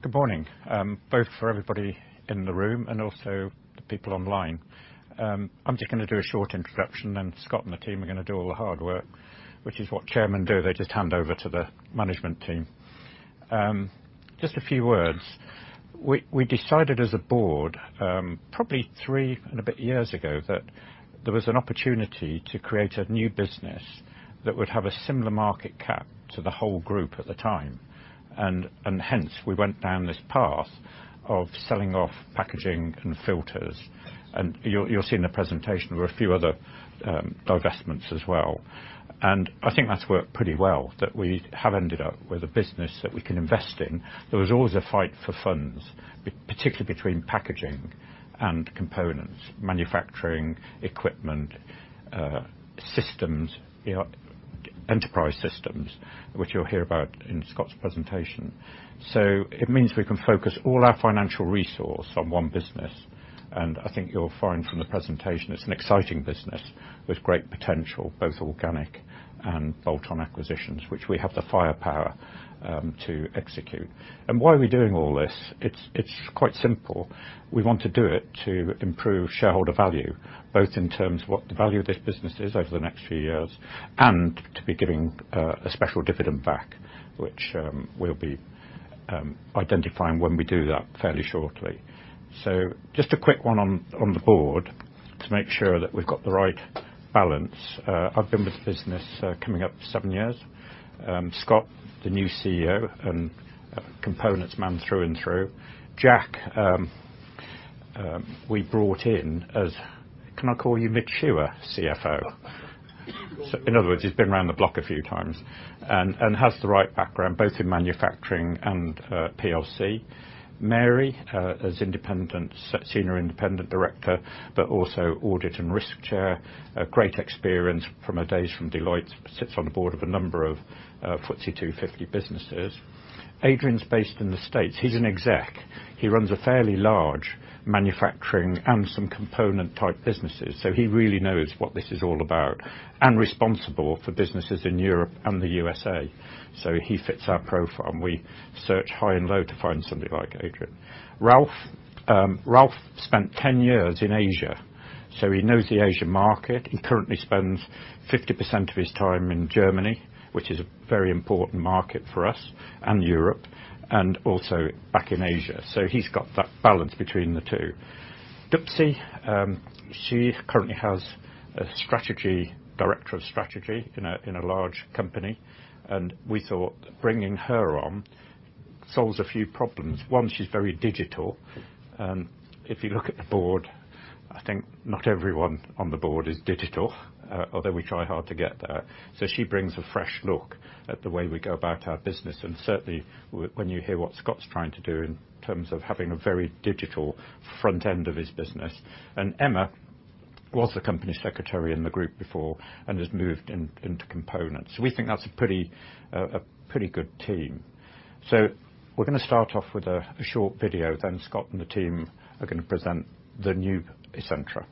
Good morning, both for everybody in the room and also the people online. I'm just gonna do a short introduction, and Scott and the team are gonna do all the hard work, which is what chairmen do. They just hand over to the management team. Just a few words. We decided as a board, probably three and a bit years ago, that there was an opportunity to create a new business that would have a similar market cap to the whole group at the time. Hence, we went down this path of selling off packaging and filters. You'll see in the presentation, there were a few other divestments as well. I think that's worked pretty well, that we have ended up with a business that we can invest in. There was always a fight for funds, particularly between packaging and components, manufacturing, equipment, systems, you know, enterprise systems, which you'll hear about in Scott's presentation. It means we can focus all our financial resource on one business, and I think you'll find from the presentation, it's an exciting business with great potential, both organic and bolt-on acquisitions, which we have the firepower to execute. Why are we doing all this? It's quite simple. We want to do it to improve shareholder value, both in terms of what the value of this business is over the next few years, and to be giving a special dividend back, which we'll be identifying when we do that fairly shortly. Just a quick one on the board to make sure that we've got the right balance. I've been with the business, coming up seven years. Scott, the new CEO and components man through and through. Jack, we brought in as... Can I call you mature CFO? In other words, he's been around the block a few times and has the right background both in manufacturing and PLC. Mary is independent, senior independent director, but also audit and risk chair. A great experience from her days from Deloitte. Sits on the board of a number of FTSE 250 businesses. Adrian's based in the States. He's an exec. He runs a fairly large manufacturing and some component type businesses, so he really knows what this is all about, and responsible for businesses in Europe and the USA. He fits our profile, and we searched high and low to find somebody like Adrian. Ralph. Ralph spent 10 years in Asia, so he knows the Asia market. He currently spends 50% of his time in Germany, which is a very important market for us, and Europe, and also back in Asia. He's got that balance between the two. Dupsy, she currently has a strategy director of strategy in a large company, and we thought bringing her on solves a few problems. One, she's very digital. If you look at the board, I think not everyone on the board is digital, although we try hard to get there. She brings a fresh look at the way we go about our business and certainly when you hear what Scott's trying to do in terms of having a very digital front end of his business. Emma was the company secretary in the group before and has moved into components. We think that's a pretty good team. We're gonna start off with a short video, then Scott and the team are gonna present the new Essentra. Okay. Well, thank you, Paul,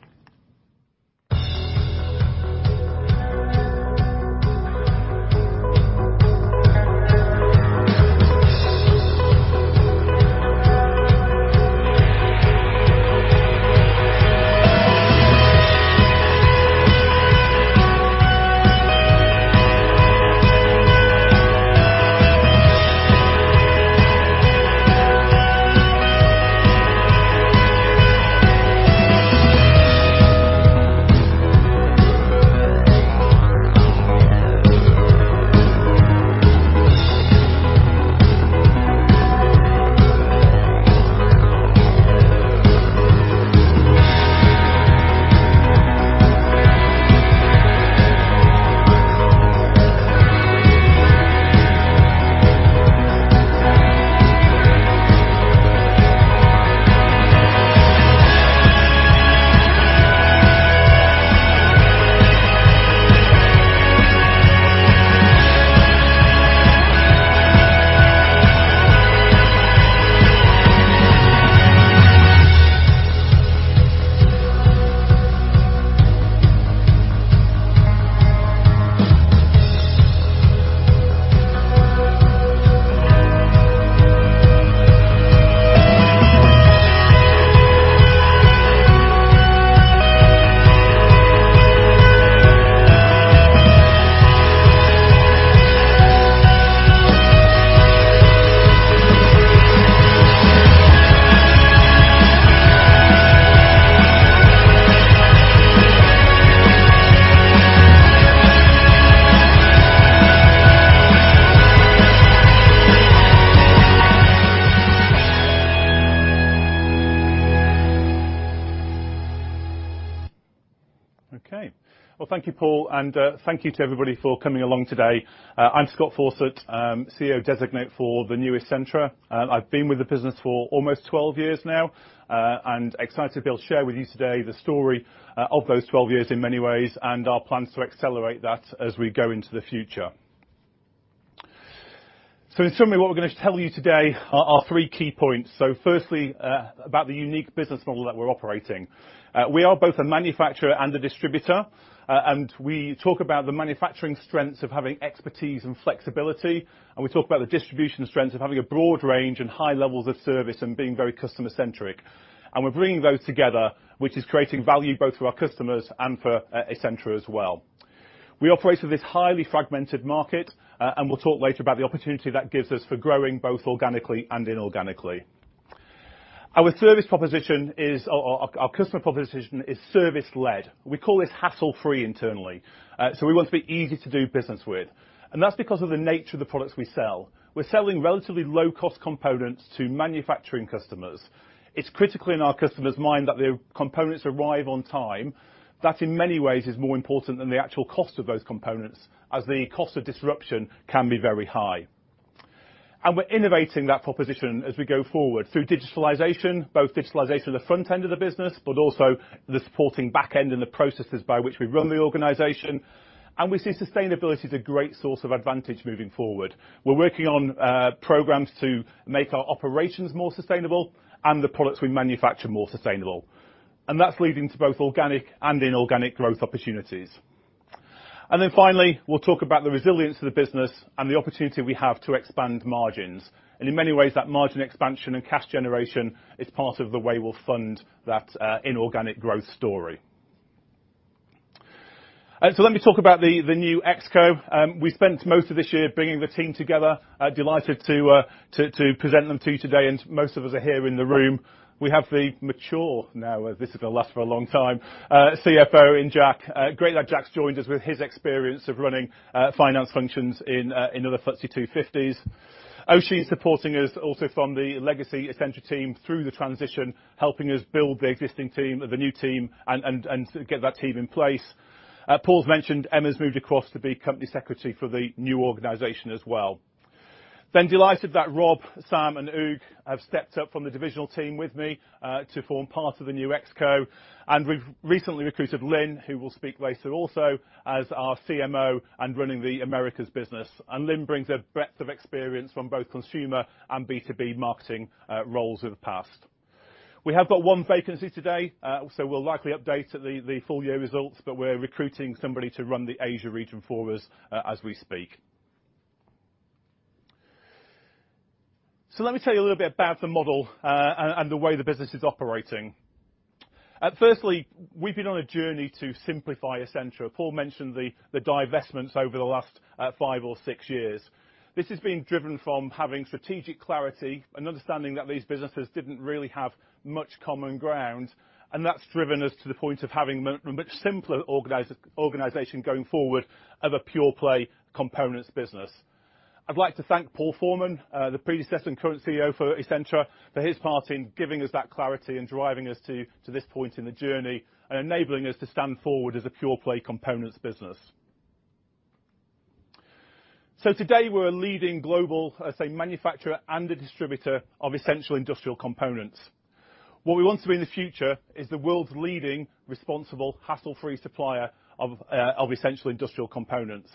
and thank you to everybody for coming along today. I'm Scott Fawcett, CEO Designate for the new Essentra. I've been with the business for almost 12 years now, and excited to be able to share with you today the story of those 12 years in many ways, and our plans to accelerate that as we go into the future. In summary, what we're gonna tell you today are 3 key points. Firstly, about the unique business model that we're operating. We are both a manufacturer and a distributor, and we talk about the manufacturing strengths of having expertise and flexibility, and we talk about the distribution strengths of having a broad range and high levels of service and being very customer-centric. We're bringing those together, which is creating value both for our customers and for Essentra as well. We operate in this highly fragmented market, and we'll talk later about the opportunity that gives us for growing both organically and inorganically. Our customer proposition is service-led. We call this hassle-free internally. We want to be easy to do business with, and that's because of the nature of the products we sell. We're selling relatively low-cost components to manufacturing customers. It's critically in our customer's mind that the components arrive on time. That, in many ways, is more important than the actual cost of those components, as the cost of disruption can be very high. We're innovating that proposition as we go forward through digitalization, both digitalization on the front end of the business, but also the supporting back end in the processes by which we run the organization, and we see sustainability as a great source of advantage moving forward. We're working on programs to make our operations more sustainable and the products we manufacture more sustainable, and that's leading to both organic and inorganic growth opportunities. Finally, we'll talk about the resilience of the business and the opportunity we have to expand margins, and in many ways, that margin expansion and cash generation is part of the way we'll fund that inorganic growth story. Let me talk about the new ExCo. We spent most of this year bringing the team together. Delighted to present them to you today. Most of us are here in the room. We have the new, mature CFO, Jack Clarke, who's gonna last for a long time. Great that Jack Clarke's joined us with his experience of running finance functions in other FTSE 250s. Joanna Speed's supporting us also from the legacy Essentra team through the transition, helping us build the existing team or the new team and get that team in place. Paul's mentioned Emma's moved across to be company secretary for the new organization as well. Delighted that Rob, Sam, and Hugues have stepped up from the divisional team with me to form part of the new ExCo, and we've recently recruited Lynne Vandeveer, who will speak later also, as our CMO and running the Americas business. Lynne brings a breadth of experience from both consumer and B2B marketing roles of the past. We have got one vacancy today, so we'll likely update at the full year results, but we're recruiting somebody to run the Asia region for us as we speak. Let me tell you a little bit about the model and the way the business is operating. First, we've been on a journey to simplify Essentra. Paul mentioned the divestments over the last five or six years. This has been driven from having strategic clarity and understanding that these businesses didn't really have much common ground, and that's driven us to the point of having much simpler organization going forward of a pure play components business. I'd like to thank Paul Forman, the predecessor and current CEO for Essentra, for his part in giving us that clarity and driving us to this point in the journey and enabling us to stand forward as a pure play components business. Today, we're a leading global, I say, manufacturer and a distributor of essential industrial components. What we want to be in the future is the world's leading responsible hassle-free supplier of essential industrial components.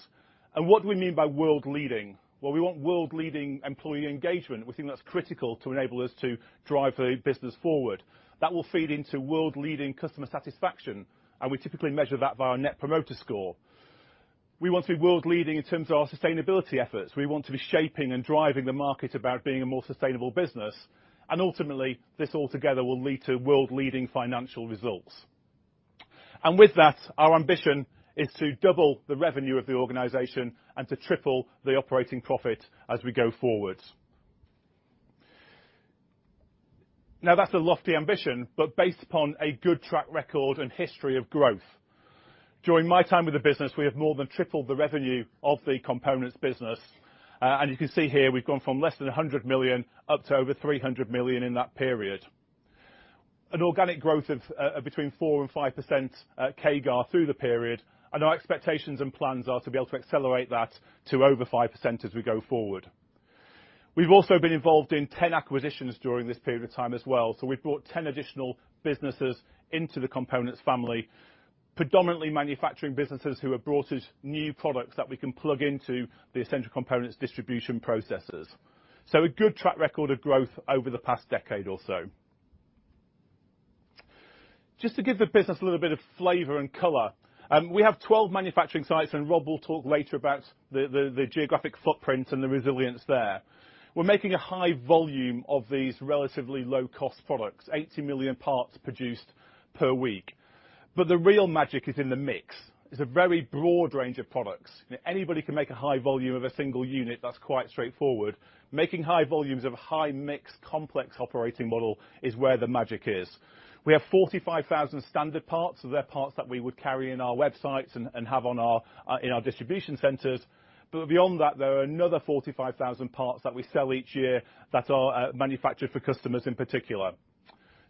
What do we mean by world-leading? Well, we want world-leading employee engagement. We think that's critical to enable us to drive the business forward. That will feed into world-leading customer satisfaction, and we typically measure that via our net promoter score. We want to be world-leading in terms of our sustainability efforts. We want to be shaping and driving the market about being a more sustainable business, and ultimately, this all together will lead to world-leading financial results. With that, our ambition is to double the revenue of the organization and to triple the operating profit as we go forward. Now, that's a lofty ambition, but based upon a good track record and history of growth. During my time with the business, we have more than tripled the revenue of the components business. You can see here, we've gone from less than 100 million up to over 300 million in that period. An organic growth of between 4%-5% CAGR through the period, and our expectations and plans are to be able to accelerate that to over 5% as we go forward. We've also been involved in 10 acquisitions during this period of time as well. We've brought 10 additional businesses into the components family, predominantly manufacturing businesses who have brought us new products that we can plug into the Essentra Components distribution processes. A good track record of growth over the past decade or so. Just to give the business a little bit of flavor and color, we have 12 manufacturing sites, and Rob will talk later about the geographic footprint and the resilience there. We're making a high volume of these relatively low-cost products, 80 million parts produced per week. The real magic is in the mix. It's a very broad range of products. Anybody can make a high volume of a single unit. That's quite straightforward. Making high volumes of a high-mix complex operating model is where the magic is. We have 45,000 standard parts. They're parts that we would carry in our websites and have in our distribution centers. Beyond that, there are another 45,000 parts that we sell each year that are manufactured for customers in particular.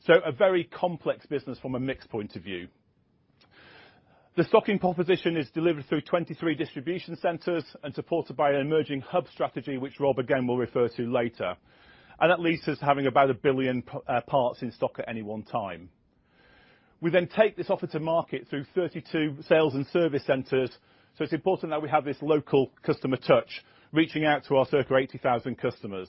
A very complex business from a mix point of view. The stocking proposition is delivered through 23 distribution centers and supported by an emerging hub strategy which Rob again will refer to later, and that leads to us having about 1 billion parts in stock at any one time. We then take this offer to market through 32 sales and service centers, so it's important that we have this local customer touch reaching out to our circa 80,000 customers.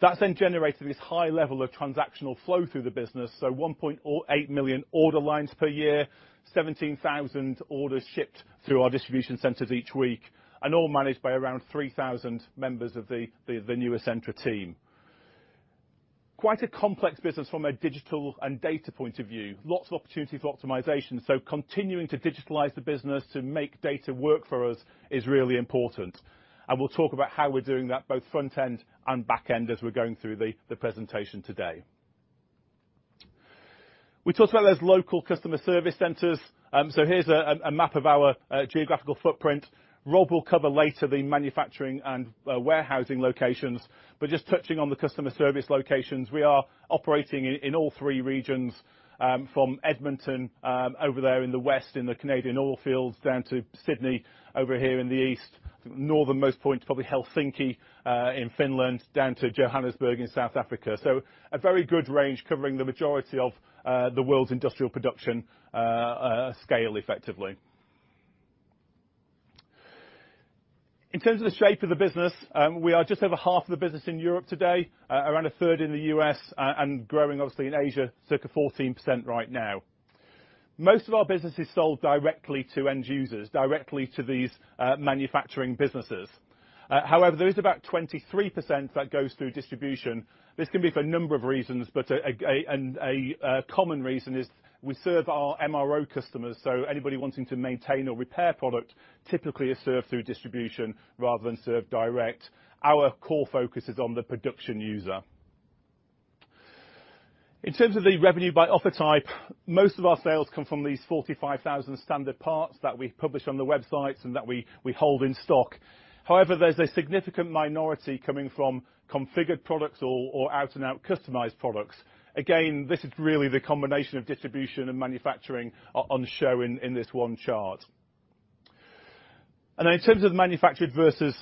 That's then generated this high level of transactional flow through the business, so 1.08 million order lines per year, 17,000 orders shipped through our distribution centers each week, and all managed by around 3,000 members of the new Essentra team. Quite a complex business from a digital and data point of view. Lots of opportunities for optimization, so continuing to digitalize the business to make data work for us is really important, and we'll talk about how we're doing that both front end and back end as we're going through the presentation today. We talked about those local customer service centers. Here's a map of our geographical footprint. Rob will cover later the manufacturing and warehousing locations. Just touching on the customer service locations, we are operating in all three regions, from Edmonton over there in the West, in the Canadian oil fields, down to Sydney over here in the East. Northernmost point is probably Helsinki in Finland, down to Johannesburg in South Africa. A very good range covering the majority of the world's industrial production scale effectively. In terms of the shape of the business, we are just over half of the business in Europe today, around a third in the U.S., and growing obviously in Asia, circa 14% right now. Most of our business is sold directly to end users, directly to these manufacturing businesses. However, there is about 23% that goes through distribution. This can be for a number of reasons, but a common reason is we serve our MRO customers, so anybody wanting to maintain or repair product typically is served through distribution rather than served direct. Our core focus is on the production user. In terms of the revenue by offer type, most of our sales come from these 45,000 standard parts that we publish on the websites and that we hold in stock. However, there's a significant minority coming from configured products or out-and-out customized products. Again, this is really the combination of distribution and manufacturing on showing in this one chart. In terms of manufactured versus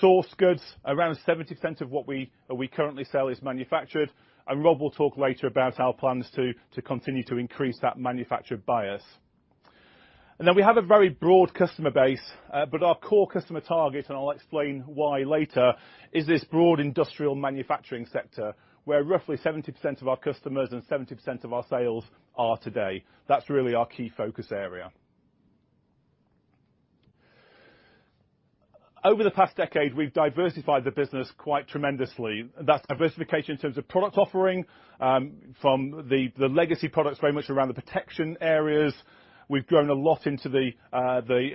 sourced goods, around 70% of what we currently sell is manufactured. Rob will talk later about our plans to continue to increase that manufactured bias. We have a very broad customer base, but our core customer target, and I'll explain why later, is this broad industrial manufacturing sector, where roughly 70% of our customers and 70% of our sales are today. That's really our key focus area. Over the past decade, we've diversified the business quite tremendously. That's diversification in terms of product offering, from the legacy products very much around the protection areas. We've grown a lot into the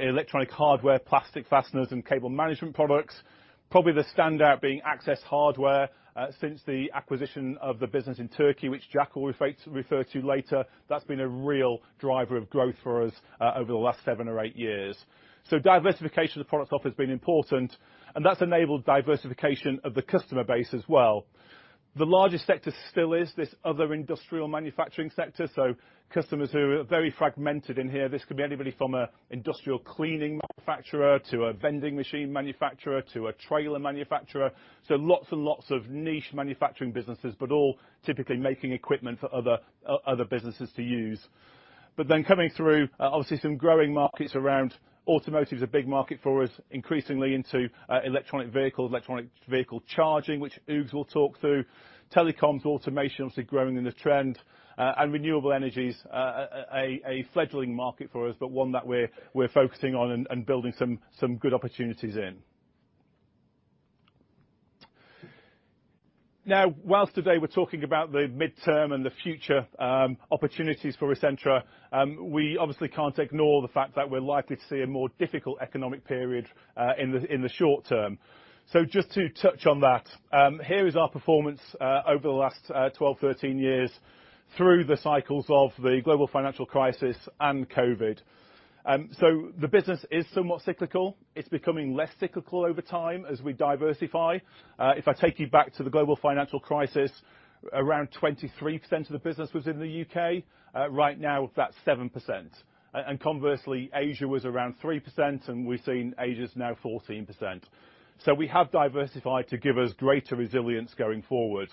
electronics hardware, plastic fasteners, and cable management products. Probably the standout being access hardware. Since the acquisition of the business in Turkey, which Jack will refer to later, that's been a real driver of growth for us, over the last 7 or 8 years. Diversification of the product offering has been important, and that's enabled diversification of the customer base as well. The largest sector still is this other industrial manufacturing sector, so customers who are very fragmented in here. This could be anybody from an industrial cleaning manufacturer to a vending machine manufacturer to a trailer manufacturer. Lots and lots of niche manufacturing businesses, but all typically making equipment for other businesses to use. Coming through, obviously some growing markets around automotive is a big market for us, increasingly into electric vehicles, electric vehicle charging, which Eoghan will talk through. Telecoms, automation obviously growing in the trend. Renewable energy's a fledgling market for us, but one that we're focusing on and building some good opportunities in. Now, while today we're talking about the mid-term and the future opportunities for Essentra, we obviously can't ignore the fact that we're likely to see a more difficult economic period in the short term. Just to touch on that, here is our performance over the last 12-13 years through the cycles of the global financial crisis and COVID. The business is somewhat cyclical. It's becoming less cyclical over time as we diversify. If I take you back to the global financial crisis, around 23% of the business was in the U.K. Right now that's 7%. Conversely, Asia was around 3%, and we've seen Asia's now 14%. We have diversified to give us greater resilience going forward.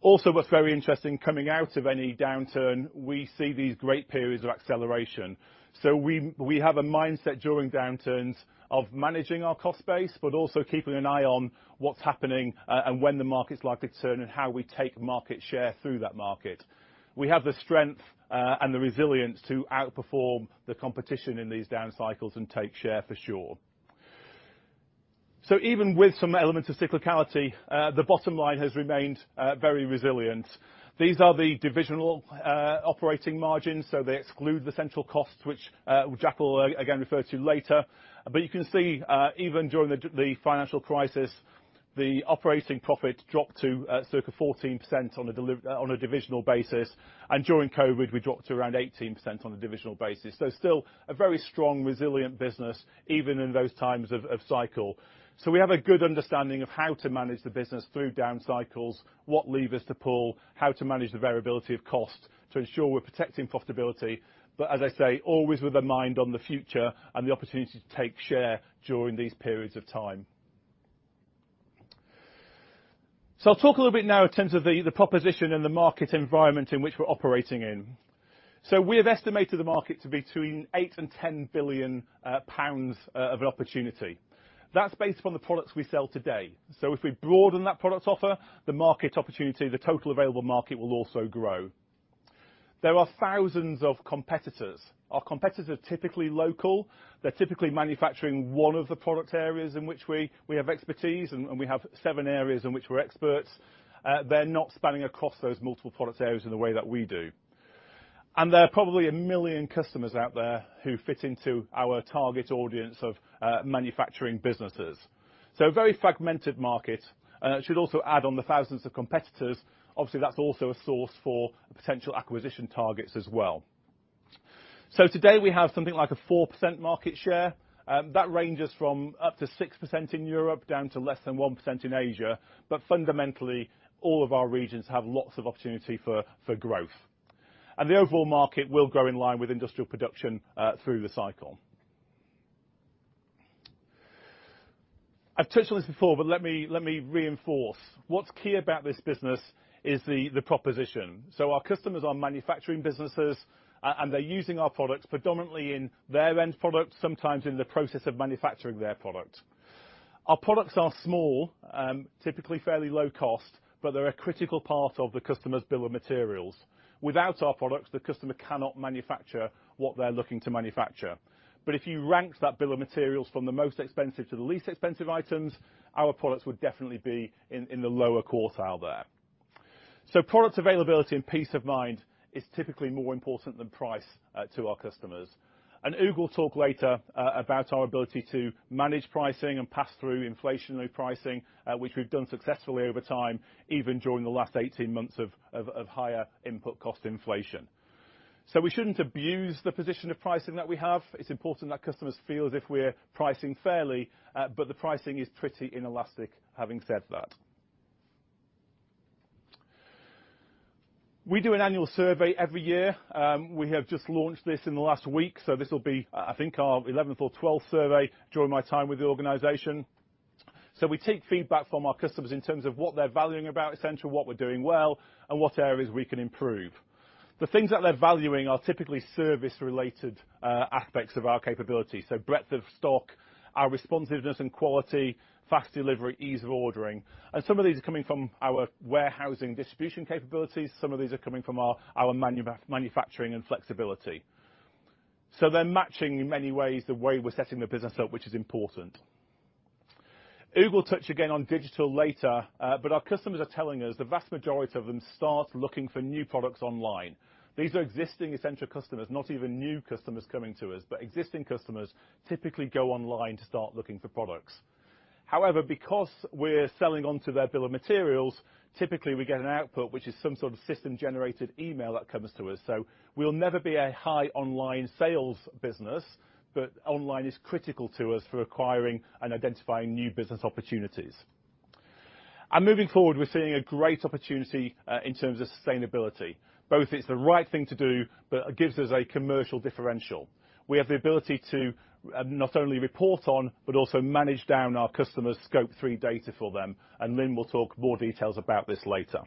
Also, what's very interesting, coming out of any downturn, we see these great periods of acceleration. We have a mindset during downturns of managing our cost base, but also keeping an eye on what's happening, and when the market's likely to turn and how we take market share through that market. We have the strength and the resilience to outperform the competition in these down cycles and take share for sure. Even with some elements of cyclicality, the bottom line has remained very resilient. These are the divisional operating margins, so they exclude the central costs, which Jack will, again, refer to later. You can see even during the financial crisis, the operating profit dropped to circa 14% on a divisional basis. During COVID, we dropped to around 18% on a divisional basis. Still a very strong, resilient business, even in those times of cycle. We have a good understanding of how to manage the business through down cycles, what levers to pull, how to manage the variability of cost to ensure we're protecting profitability, but as I say, always with a mind on the future and the opportunity to take share during these periods of time. I'll talk a little bit now in terms of the proposition and the market environment in which we're operating in. We have estimated the market to be between 8 billion and 10 billion pounds of opportunity. That's based upon the products we sell today. If we broaden that product offer, the market opportunity, the total available market, will also grow. There are thousands of competitors. Our competitors are typically local. They're typically manufacturing one of the product areas in which we have expertise, and we have 7 areas in which we're experts. They're not spanning across those multiple product areas in the way that we do. There are probably 1 million customers out there who fit into our target audience of manufacturing businesses. A very fragmented market. I should also add on the thousands of competitors, obviously that's also a source for potential acquisition targets as well. Today we have something like a 4% market share, that ranges from up to 6% in Europe down to less than 1% in Asia. Fundamentally, all of our regions have lots of opportunity for growth. The overall market will grow in line with industrial production, through the cycle. I've touched on this before, but let me reinforce. What's key about this business is the proposition. Our customers are manufacturing businesses, and they're using our products predominantly in their end products, sometimes in the process of manufacturing their product. Our products are small, typically fairly low cost, but they're a critical part of the customer's bill of materials. Without our products, the customer cannot manufacture what they're looking to manufacture. If you ranked that bill of materials from the most expensive to the least expensive items, our products would definitely be in the lower quartile there. Product availability and peace of mind is typically more important than price to our customers. Hugues will talk later about our ability to manage pricing and pass through inflationary pricing, which we've done successfully over time, even during the last 18 months of higher input cost inflation. We shouldn't abuse the position of pricing that we have. It's important that customers feel as if we're pricing fairly, but the pricing is pretty inelastic, having said that. We do an annual survey every year. We have just launched this in the last week, so this will be, I think our 11th or 12th survey during my time with the organization. We take feedback from our customers in terms of what they're valuing about Essentra, what we're doing well, and what areas we can improve. The things that they're valuing are typically service related aspects of our capability. Breadth of stock, our responsiveness and quality, fast delivery, ease of ordering. Some of these are coming from our warehousing distribution capabilities, some of these are coming from our manufacturing and flexibility. They're matching in many ways the way we're setting the business up, which is important. Hugues will touch again on digital later, but our customers are telling us the vast majority of them start looking for new products online. These are existing Essentra customers, not even new customers coming to us. Existing customers typically go online to start looking for products. However, because we're selling onto their bill of materials, typically, we get an output, which is some sort of system-generated email that comes to us. We'll never be a high online sales business, but online is critical to us for acquiring and identifying new business opportunities. Moving forward, we're seeing a great opportunity in terms of sustainability. Both it's the right thing to do, but it gives us a commercial differential. We have the ability to not only report on, but also manage down our customers' Scope 3 data for them, and Lynne will talk more details about this later.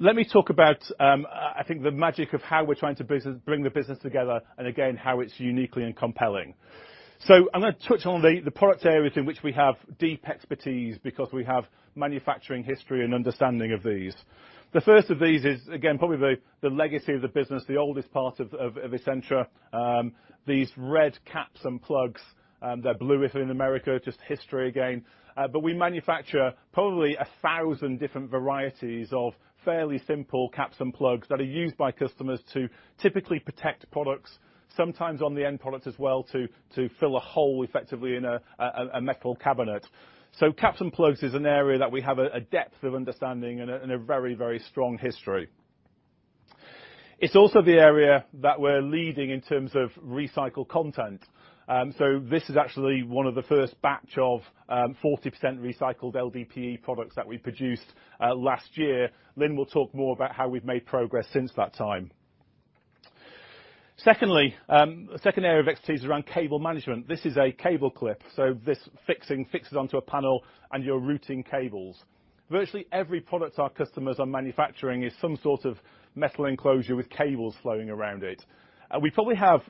Let me talk about I think the magic of how we're trying to bring the business together, and again, how it's uniquely and compelling. I'm gonna touch on the product areas in which we have deep expertise because we have manufacturing history and understanding of these. The first of these is, again, probably the legacy of the business, the oldest part of Essentra. These red caps and plugs, they're bluer in America, just history again. We manufacture probably 1,000 different varieties of fairly simple caps and plugs that are used by customers to typically protect products, sometimes on the end product as well to fill a hole effectively in a metal cabinet. Caps and plugs is an area that we have a depth of understanding and a very strong history. It's also the area that we're leading in terms of recycled content. This is actually one of the first batch of 40% recycled LDPE products that we produced last year. Lynne will talk more about how we've made progress since that time. Secondly, a second area of expertise around cable management. This is a cable clip, so this fixing fixes onto a panel and you're routing cables. Virtually every product our customers are manufacturing is some sort of metal enclosure with cables flowing around it. We probably have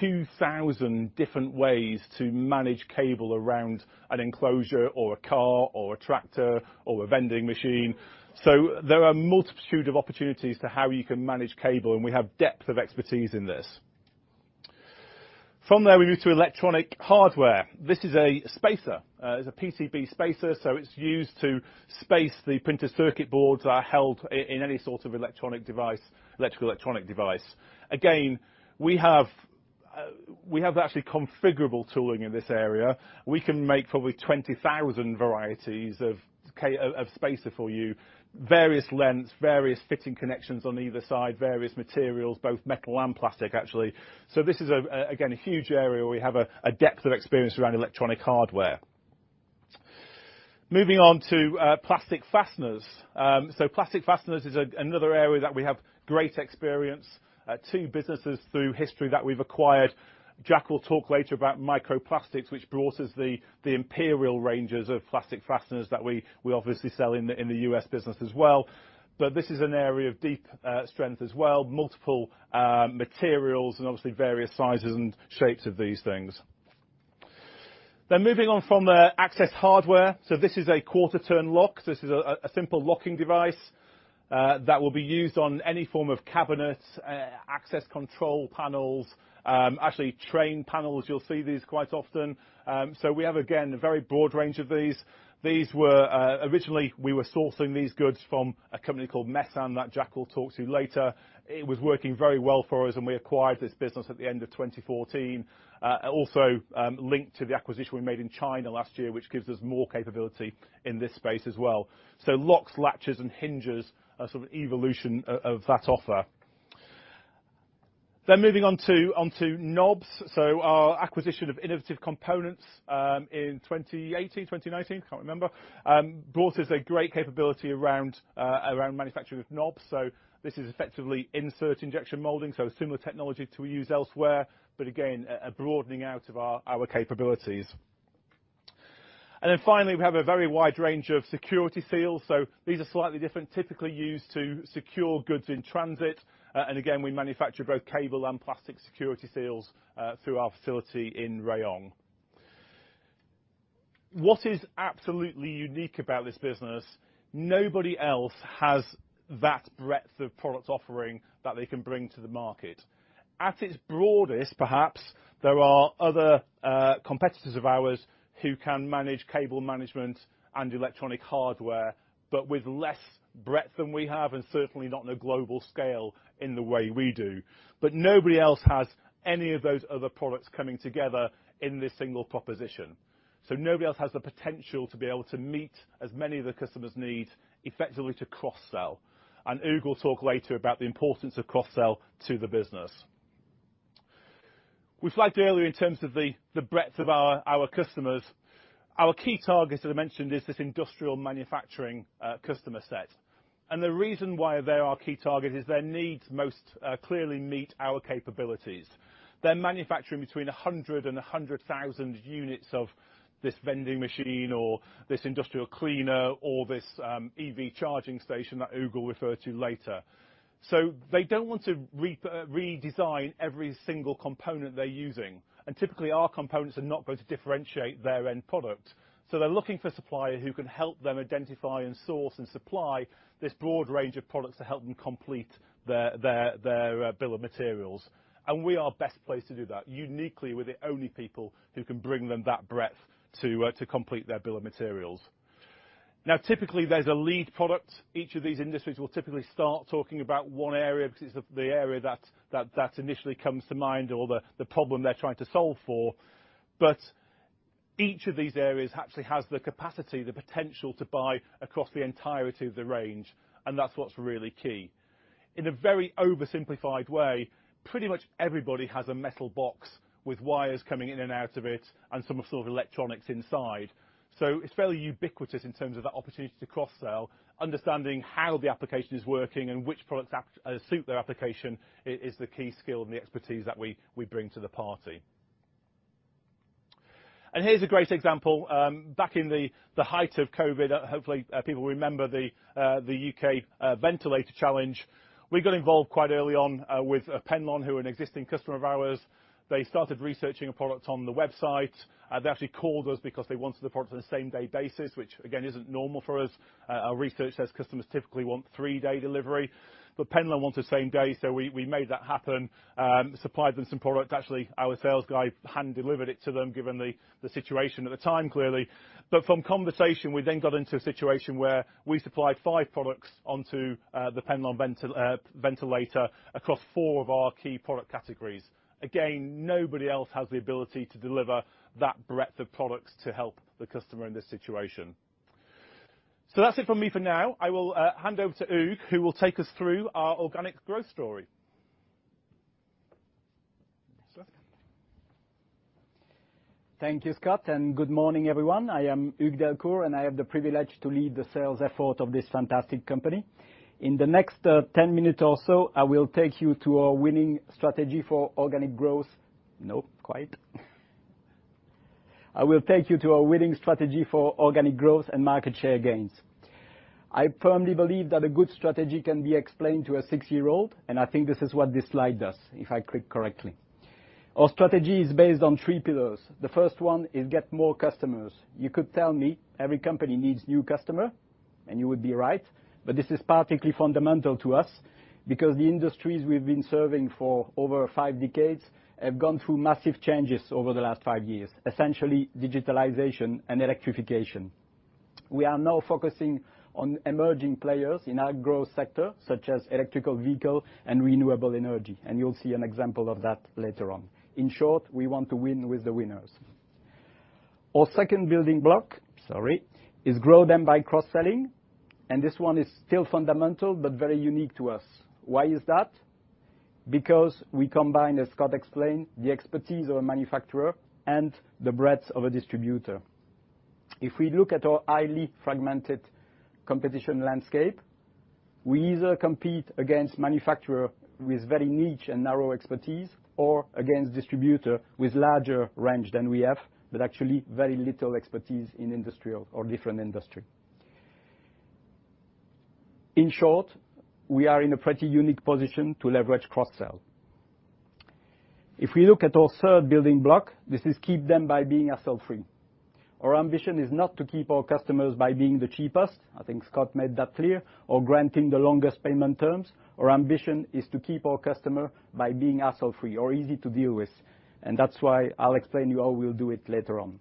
2,000 different ways to manage cable around an enclosure or a car or a tractor or a vending machine. There are multitude of opportunities to how you can manage cable, and we have depth of expertise in this. From there, we move to electronics hardware. This is a spacer. It's a PCB spacer, so it's used to space the printed circuit boards that are held in any sort of electronic device, electrical electronic device. Again, we have actually configurable tooling in this area. We can make probably 20,000 varieties of spacer for you, various lengths, various fitting connections on either side, various materials, both metal and plastic, actually. This is again a huge area where we have a depth of experience around electronic hardware. Moving on to plastic fasteners. Plastic fasteners is another area that we have great experience. Two businesses through history that we've acquired. Jack will talk later about Micro Plastics, which brought us the imperial ranges of plastic fasteners that we obviously sell in the US business as well. This is an area of deep strength as well. Multiple materials and obviously various sizes and shapes of these things. Moving on from there, access hardware. This is a quarter turn lock. This is a simple locking device that will be used on any form of cabinet, access control panels, actually train panels. You'll see these quite often. We have again a very broad range of these. These were originally we were sourcing these goods from a company called Mesan that Jack will talk to later. It was working very well for us, and we acquired this business at the end of 2014. Also, linked to the acquisition we made in China last year, which gives us more capability in this space as well. Locks, latches, and hinges are sort of an evolution of that offer. Moving on to knobs. Our acquisition of Innovative Components in 2018, 2019, can't remember, brought us a great capability around manufacturing of knobs. This is effectively insert injection molding. Similar technology to we use elsewhere, but again, a broadening out of our capabilities. Finally, we have a very wide range of security seals. These are slightly different, typically used to secure goods in transit. We manufacture both cable and plastic security seals through our facility in Rayong. What is absolutely unique about this business, nobody else has that breadth of product offering that they can bring to the market. At its broadest, perhaps, there are other competitors of ours who can manage cable management and electronics hardware, but with less breadth than we have, and certainly not on a global scale in the way we do. Nobody else has any of those other products coming together in this single proposition. Nobody else has the potential to be able to meet as many of the customer's needs effectively to cross-sell. Hugues will talk later about the importance of cross-sell to the business. We flagged earlier in terms of the breadth of our customers. Our key target, as I mentioned, is this industrial manufacturing customer set. The reason why they're our key target is their needs most clearly meet our capabilities. They're manufacturing between 100 and 100,000 units of this vending machine or this industrial cleaner or this EV charging station that Hugues Delcourt will refer to later. They don't want to redesign every single component they're using, and typically our components are not going to differentiate their end product. They're looking for a supplier who can help them identify and source and supply this broad range of products to help them complete their bill of materials. We are best placed to do that. Uniquely, we're the only people who can bring them that breadth to complete their bill of materials. Typically, there's a lead product. Each of these industries will typically start talking about one area because it's the area that initially comes to mind or the problem they're trying to solve for. Each of these areas actually has the capacity, the potential to buy across the entirety of the range, and that's what's really key. In a very oversimplified way, pretty much everybody has a metal box with wires coming in and out of it and some sort of electronics inside. It's fairly ubiquitous in terms of that opportunity to cross-sell, understanding how the application is working and which products suit their application is the key skill and the expertise that we bring to the party. Here's a great example. Back in the height of COVID, hopefully people remember the UK Ventilator Challenge. We got involved quite early on with Penlon, who are an existing customer of ours. They started researching a product on the website. They actually called us because they wanted the product on a same-day basis, which again, isn't normal for us. Our research says customers typically want three-day delivery. Penlon wanted same day, so we made that happen, supplied them some product. Actually, our sales guy hand delivered it to them given the situation at the time clearly. From conversation, we then got into a situation where we supplied five products onto the Penlon ventilator across four of our key product categories. Again, nobody else has the ability to deliver that breadth of products to help the customer in this situation. That's it from me for now. I will hand over to Hugues, who will take us through our organic growth story. Thank you, Scott, and good morning, everyone. I am Hugues Delcourt, and I have the privilege to lead the sales effort of this fantastic company. In the next 10 minutes or so, I will take you to our winning strategy for organic growth and market share gains. I firmly believe that a good strategy can be explained to a six-year-old, and I think this is what this slide does, if I click correctly. Our strategy is based on three pillars. The first one is get more customers. You could tell me every company needs new customer, and you would be right, but this is particularly fundamental to us because the industries we've been serving for over five decades have gone through massive changes over the last five years, essentially digitalization and electrification. We are now focusing on emerging players in our growth sector such as electric vehicle and renewable energy, and you'll see an example of that later on. In short, we want to win with the winners. Our second building block, sorry, is grow them by cross-selling, and this one is still fundamental but very unique to us. Why is that? Because we combine, as Scott explained, the expertise of a manufacturer and the breadth of a distributor. If we look at our highly fragmented competition landscape, we either compete against manufacturer with very niche and narrow expertise, or against distributor with larger range than we have, but actually very little expertise in industrial or different industry. In short, we are in a pretty unique position to leverage cross-sell. If we look at our third building block, this is keep them by being hassle-free. Our ambition is not to keep our customers by being the cheapest, I think Scott made that clear, or granting the longest payment terms. Our ambition is to keep our customer by being hassle-free or easy to deal with, and that's why I'll explain to you how we'll do it later on.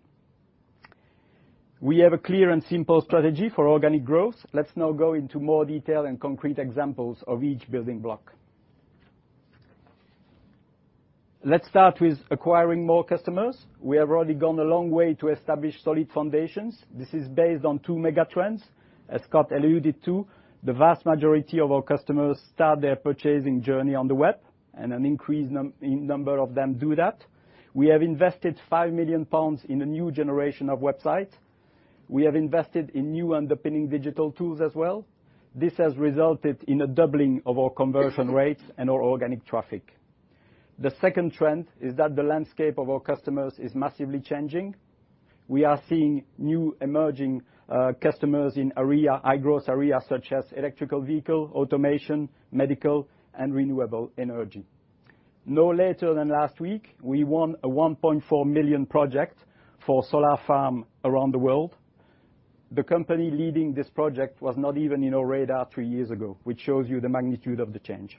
We have a clear and simple strategy for organic growth. Let's now go into more detail and concrete examples of each building block. Let's start with acquiring more customers. We have already gone a long way to establish solid foundations. This is based on two mega trends. As Scott alluded to, the vast majority of our customers start their purchasing journey on the web, and an increased number of them do that. We have invested 5 million pounds in the new generation of websites. We have invested in new underpinning digital tools as well. This has resulted in a doubling of our conversion rates and our organic traffic. The second trend is that the landscape of our customers is massively changing. We are seeing new emerging customers in high-growth area such as electric vehicle, automation, medical, and renewable energy. No later than last week, we won a 1.4 million project for solar farm around the world. The company leading this project was not even in our radar three years ago, which shows you the magnitude of the change.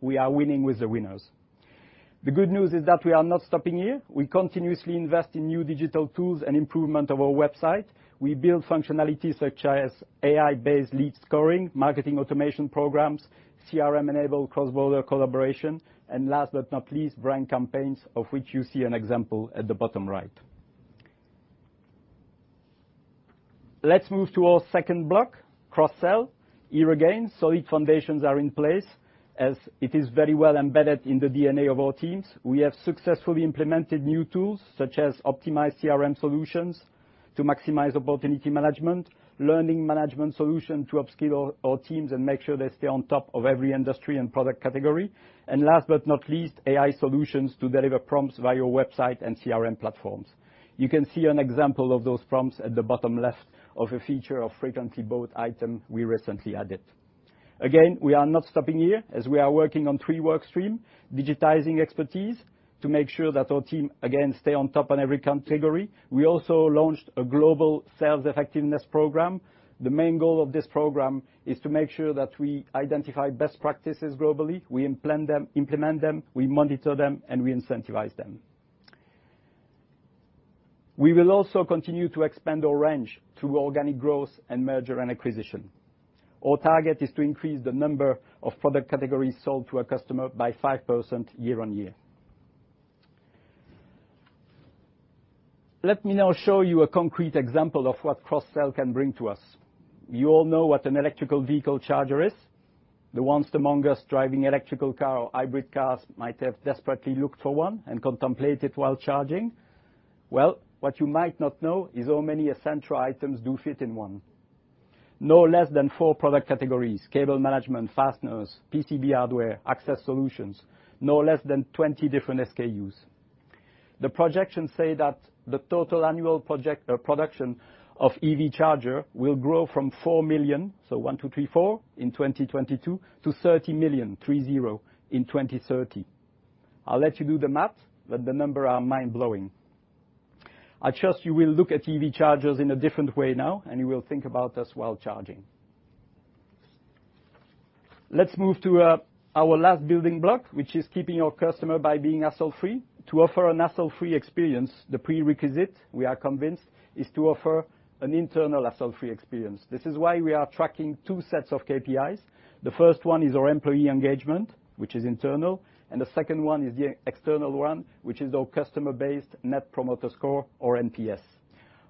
We are winning with the winners. The good news is that we are not stopping here. We continuously invest in new digital tools and improvement of our website. We build functionalities such as AI-based lead scoring, marketing automation programs, CRM-enabled cross-border collaboration, and last but not least, brand campaigns, of which you see an example at the bottom right. Let's move to our second block, cross-sell. Here again, solid foundations are in place, as it is very well embedded in the DNA of our teams. We have successfully implemented new tools such as optimized CRM solutions to maximize opportunity management, learning management solution to upskill our teams and make sure they stay on top of every industry and product category. Last but not least, AI solutions to deliver prompts via website and CRM platforms. You can see an example of those prompts at the bottom left of a feature of frequently bought item we recently added. Again, we are not stopping here, as we are working on three work stream, digitizing expertise to make sure that our team, again, stay on top on every category. We also launched a global sales effectiveness program. The main goal of this program is to make sure that we identify best practices globally. We implement them, we monitor them, and we incentivize them. We will also continue to expand our range through organic growth and merger and acquisition. Our target is to increase the number of product categories sold to a customer by 5% year-over-year. Let me now show you a concrete example of what cross-sell can bring to us. You all know what an electric vehicle charger is. The ones among us driving electric car or hybrid cars might have desperately looked for one and contemplated while charging. Well, what you might not know is how many Essentra items do fit in one. No less than four product categories. Cable management, fasteners, PCB hardware, access hardware. No less than 20 different SKUs. The projections say that the total annual production of EV charger will grow from 4 million in 2022 to 30 million in 2030. I'll let you do the math, but the numbers are mind-blowing. I trust you will look at EV chargers in a different way now, and you will think about us while charging. Let's move to our last building block, which is keeping our customer by being hassle-free. To offer a hassle-free experience, the prerequisite, we are convinced, is to offer an internal hassle-free experience. This is why we are tracking two sets of KPIs. The first one is our employee engagement, which is internal, and the second one is the external one, which is our customer-based Net Promoter Score or NPS.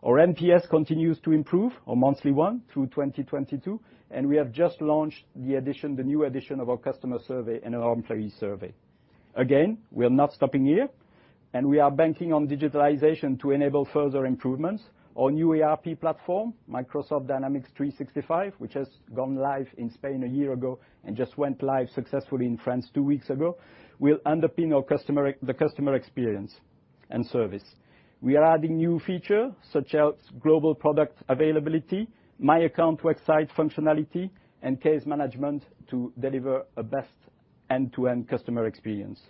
Our NPS continues to improve month-on-month through 2022, and we have just launched the new addition of our customer survey and our employee survey. We are not stopping here, and we are banking on digitalization to enable further improvements. Our new ERP platform, Microsoft Dynamics 365, which has gone live in Spain a year ago and just went live successfully in France two weeks ago, will underpin the customer experience and service. We are adding new features such as global product availability, my account website functionality, and case management to deliver the best end-to-end customer experience.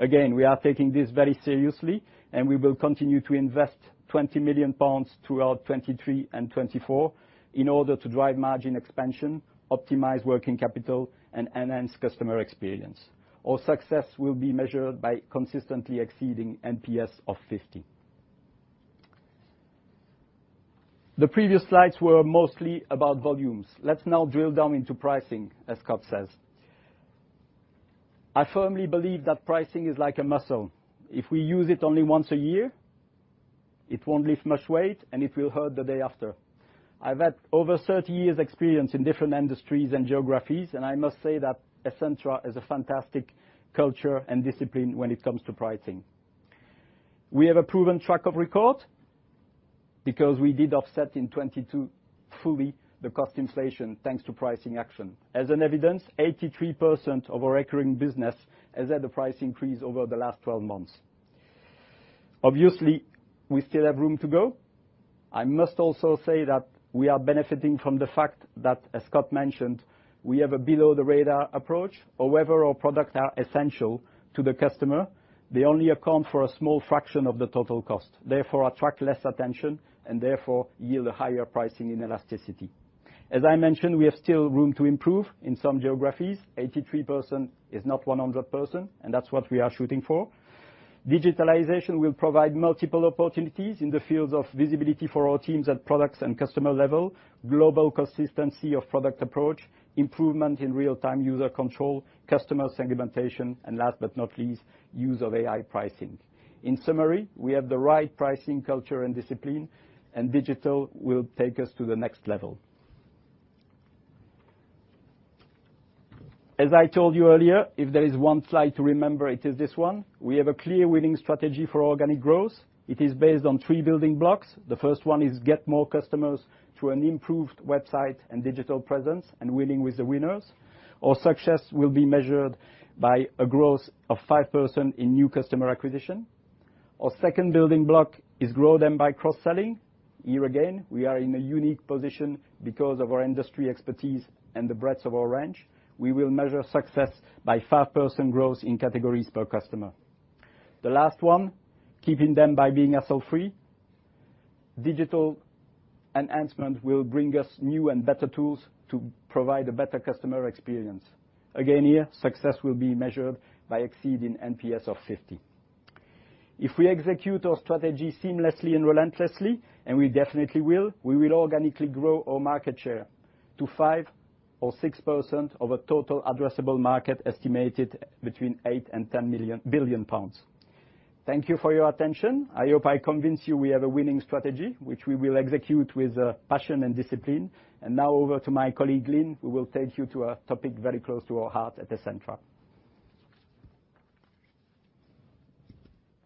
We are taking this very seriously, and we will continue to invest 20 million pounds throughout 2023 and 2024 in order to drive margin expansion, optimize working capital, and enhance customer experience. Our success will be measured by consistently exceeding NPS of 50. The previous slides were mostly about volumes. Let's now drill down into pricing, as Scott says. I firmly believe that pricing is like a muscle. If we use it only once a year. It won't lift much weight, and it will hurt the day after. I've had over 30 years experience in different industries and geographies, and I must say that Essentra has a fantastic culture and discipline when it comes to pricing. We have a proven track record because we did offset in 2022 fully the cost inflation, thanks to pricing action. As evidence, 83% of our recurring business has had a price increase over the last 12 months. Obviously, we still have room to go. I must also say that we are benefiting from the fact that, as Scott mentioned, we have a below-the-radar approach. However, our products are essential to the customer. They only account for a small fraction of the total cost, therefore attract less attention and therefore yield a higher pricing inelasticity. As I mentioned, we have still room to improve in some geographies. 83% is not 100%, and that's what we are shooting for. Digitalization will provide multiple opportunities in the fields of visibility for our teams at products and customer level, global consistency of product approach, improvement in real-time user control, customer segmentation, and last but not least, use of AI pricing. In summary, we have the right pricing culture and discipline, and digital will take us to the next level. As I told you earlier, if there is one slide to remember, it is this one. We have a clear winning strategy for organic growth. It is based on three building blocks. The first one is get more customers through an improved website and digital presence and winning with the winners. Our success will be measured by a growth of 5% in new customer acquisition. Our second building block is grow them by cross-selling. Here again, we are in a unique position because of our industry expertise and the breadth of our range. We will measure success by 5% growth in categories per customer. The last one, keeping them by being hassle-free. Digital enhancement will bring us new and better tools to provide a better customer experience. Again, here, success will be measured by exceeding NPS of 50. If we execute our strategy seamlessly and relentlessly, and we definitely will, we will organically grow our market share to 5%-6% of a total addressable market estimated between 8 billion and 10 billion pounds. Thank you for your attention. I hope I convinced you we have a winning strategy, which we will execute with passion and discipline. Now over to my colleague, Lynne, who will take you to a topic very close to our heart at Essentra.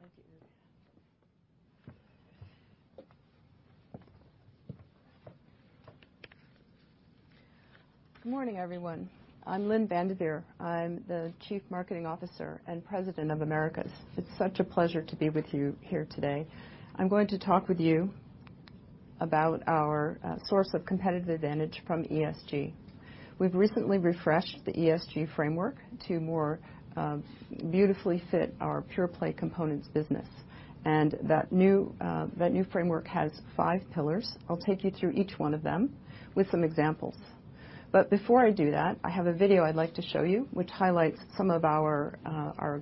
Thank you, Hugues. Good morning, everyone. I'm Lynne Vandeveer. I'm the Chief Marketing Officer and President of Americas. It's such a pleasure to be with you here today. I'm going to talk with you about our source of competitive advantage from ESG. We've recently refreshed the ESG framework to more beautifully fit our pure-play components business, and that new framework has five pillars. I'll take you through each one of them with some examples. Before I do that, I have a video I'd like to show you which highlights some of our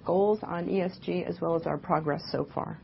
goals on ESG as well as our progress so far.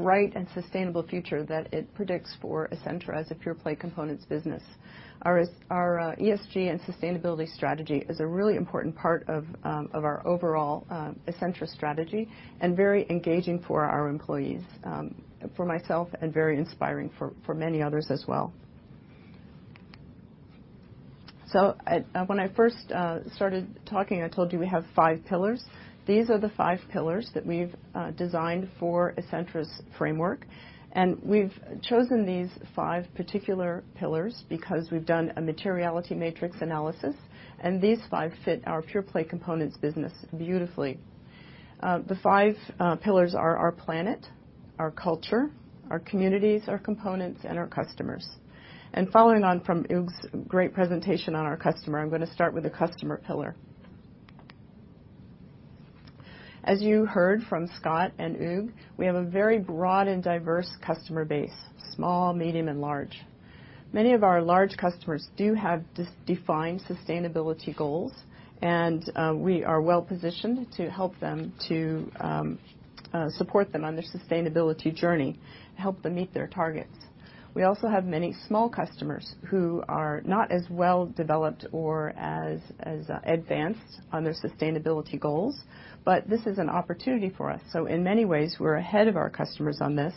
I just love the energy of that video and the bright and sustainable future that it predicts for Essentra as a pure-play components business. Our ESG and sustainability strategy is a really important part of our overall Essentra strategy and very engaging for our employees, for myself, and very inspiring for many others as well. When I first started talking, I told you we have five pillars. These are the five pillars that we've designed for Essentra's framework, and we've chosen these five particular pillars because we've done a materiality matrix analysis, and these five fit our pure-play components business beautifully. The five pillars are our planet, our culture, our communities, our components, and our customers. Following on from Hugues' great presentation on our customer, I'm gonna start with the customer pillar. As you heard from Scott and Hugues, we have a very broad and diverse customer base, small, medium, and large. Many of our large customers do have well-defined sustainability goals, and we are well-positioned to help them to support them on their sustainability journey, help them meet their targets. We also have many small customers who are not as well developed or as advanced on their sustainability goals, but this is an opportunity for us. In many ways, we're ahead of our customers on this,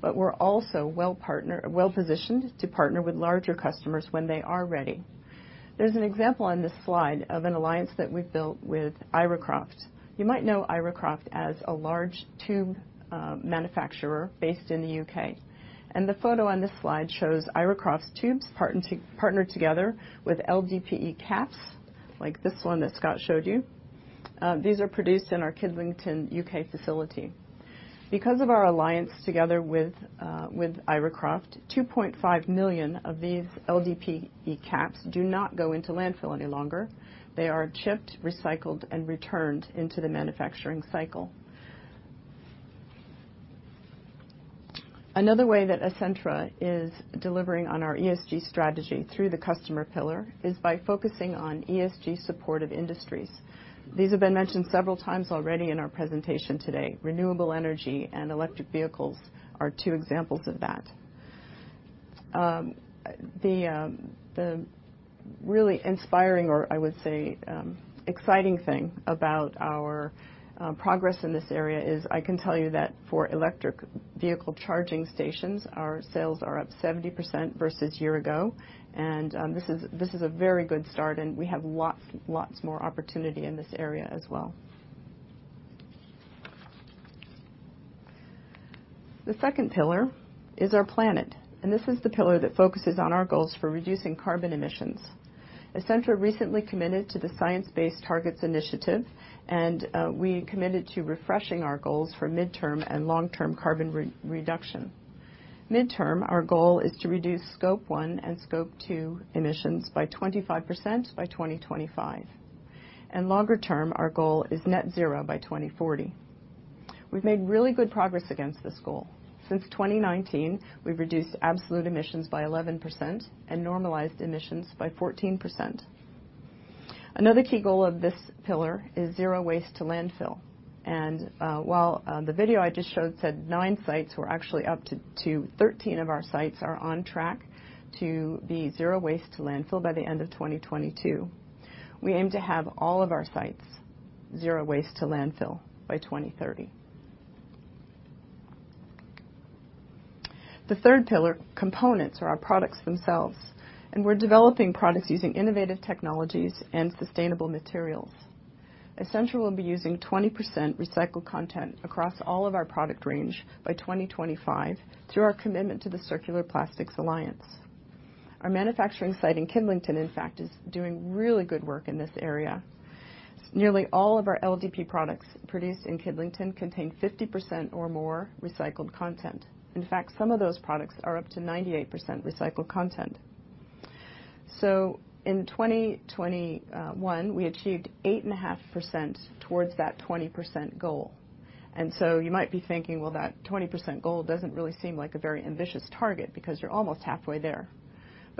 but we're also well-positioned to partner with larger customers when they are ready. There's an example on this slide of an alliance that we've built with Iracroft. You might know Iracroft as a large tube manufacturer based in the UK. The photo on this slide shows Iracroft's tubes partnered together with LDPE caps like this one that Scott showed you. These are produced in our Kidlington UK facility. Because of our alliance with Iracroft, 2.5 million of these LDPE caps do not go into landfill any longer. They are chipped, recycled, and returned into the manufacturing cycle. Another way that Essentra is delivering on our ESG strategy through the customer pillar is by focusing on ESG supportive industries. These have been mentioned several times already in our presentation today. Renewable energy and electric vehicles are two examples of that. The really inspiring, or I would say, exciting thing about our progress in this area is I can tell you that for electric vehicle charging stations, our sales are up 70% versus year ago. This is a very good start, and we have lots more opportunity in this area as well. The second pillar is our planet, and this is the pillar that focuses on our goals for reducing carbon emissions. Essentra recently committed to the Science-Based Targets initiative, and we committed to refreshing our goals for midterm and long-term carbon re-reduction. Midterm, our goal is to reduce Scope 1 and Scope two emissions by 25% by 2025. Longer term, our goal is net zero by 2040. We've made really good progress against this goal. Since 2019, we've reduced absolute emissions by 11% and normalized emissions by 14%. Another key goal of this pillar is zero waste to landfill. While the video I just showed said 9 sites, we're actually up to 13 of our sites are on track to be zero waste to landfill by the end of 2022. We aim to have all of our sites zero waste to landfill by 2030. The third pillar, components or our products themselves, and we're developing products using innovative technologies and sustainable materials. Essentra will be using 20% recycled content across all of our product range by 2025 through our commitment to the Circular Plastics Alliance. Our manufacturing site in Kidlington, in fact, is doing really good work in this area. Nearly all of our LDPE products produced in Kidlington contain 50% or more recycled content. In fact, some of those products are up to 98% recycled content. In 2021, we achieved 8.5% towards that 20% goal. You might be thinking, well, that 20% goal doesn't really seem like a very ambitious target because you're almost halfway there.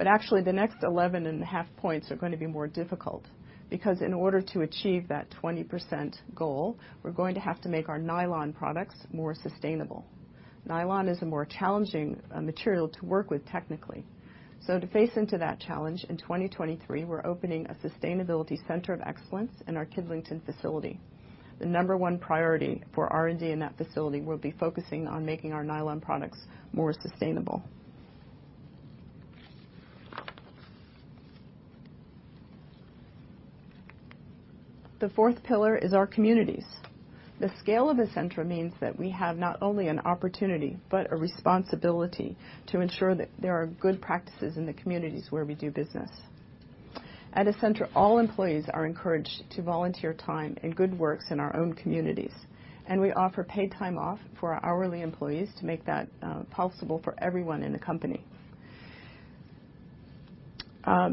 Actually, the next 11.5 points are gonna be more difficult because in order to achieve that 20% goal, we're going to have to make our nylon products more sustainable. Nylon is a more challenging material to work with technically. To face into that challenge in 2023, we're opening a sustainability center of excellence in our Kidlington facility. The number one priority for R&D in that facility will be focusing on making our nylon products more sustainable. The fourth pillar is our communities. The scale of Essentra means that we have not only an opportunity but a responsibility to ensure that there are good practices in the communities where we do business. At Essentra, all employees are encouraged to volunteer time and good works in our own communities, and we offer paid time off for our hourly employees to make that possible for everyone in the company.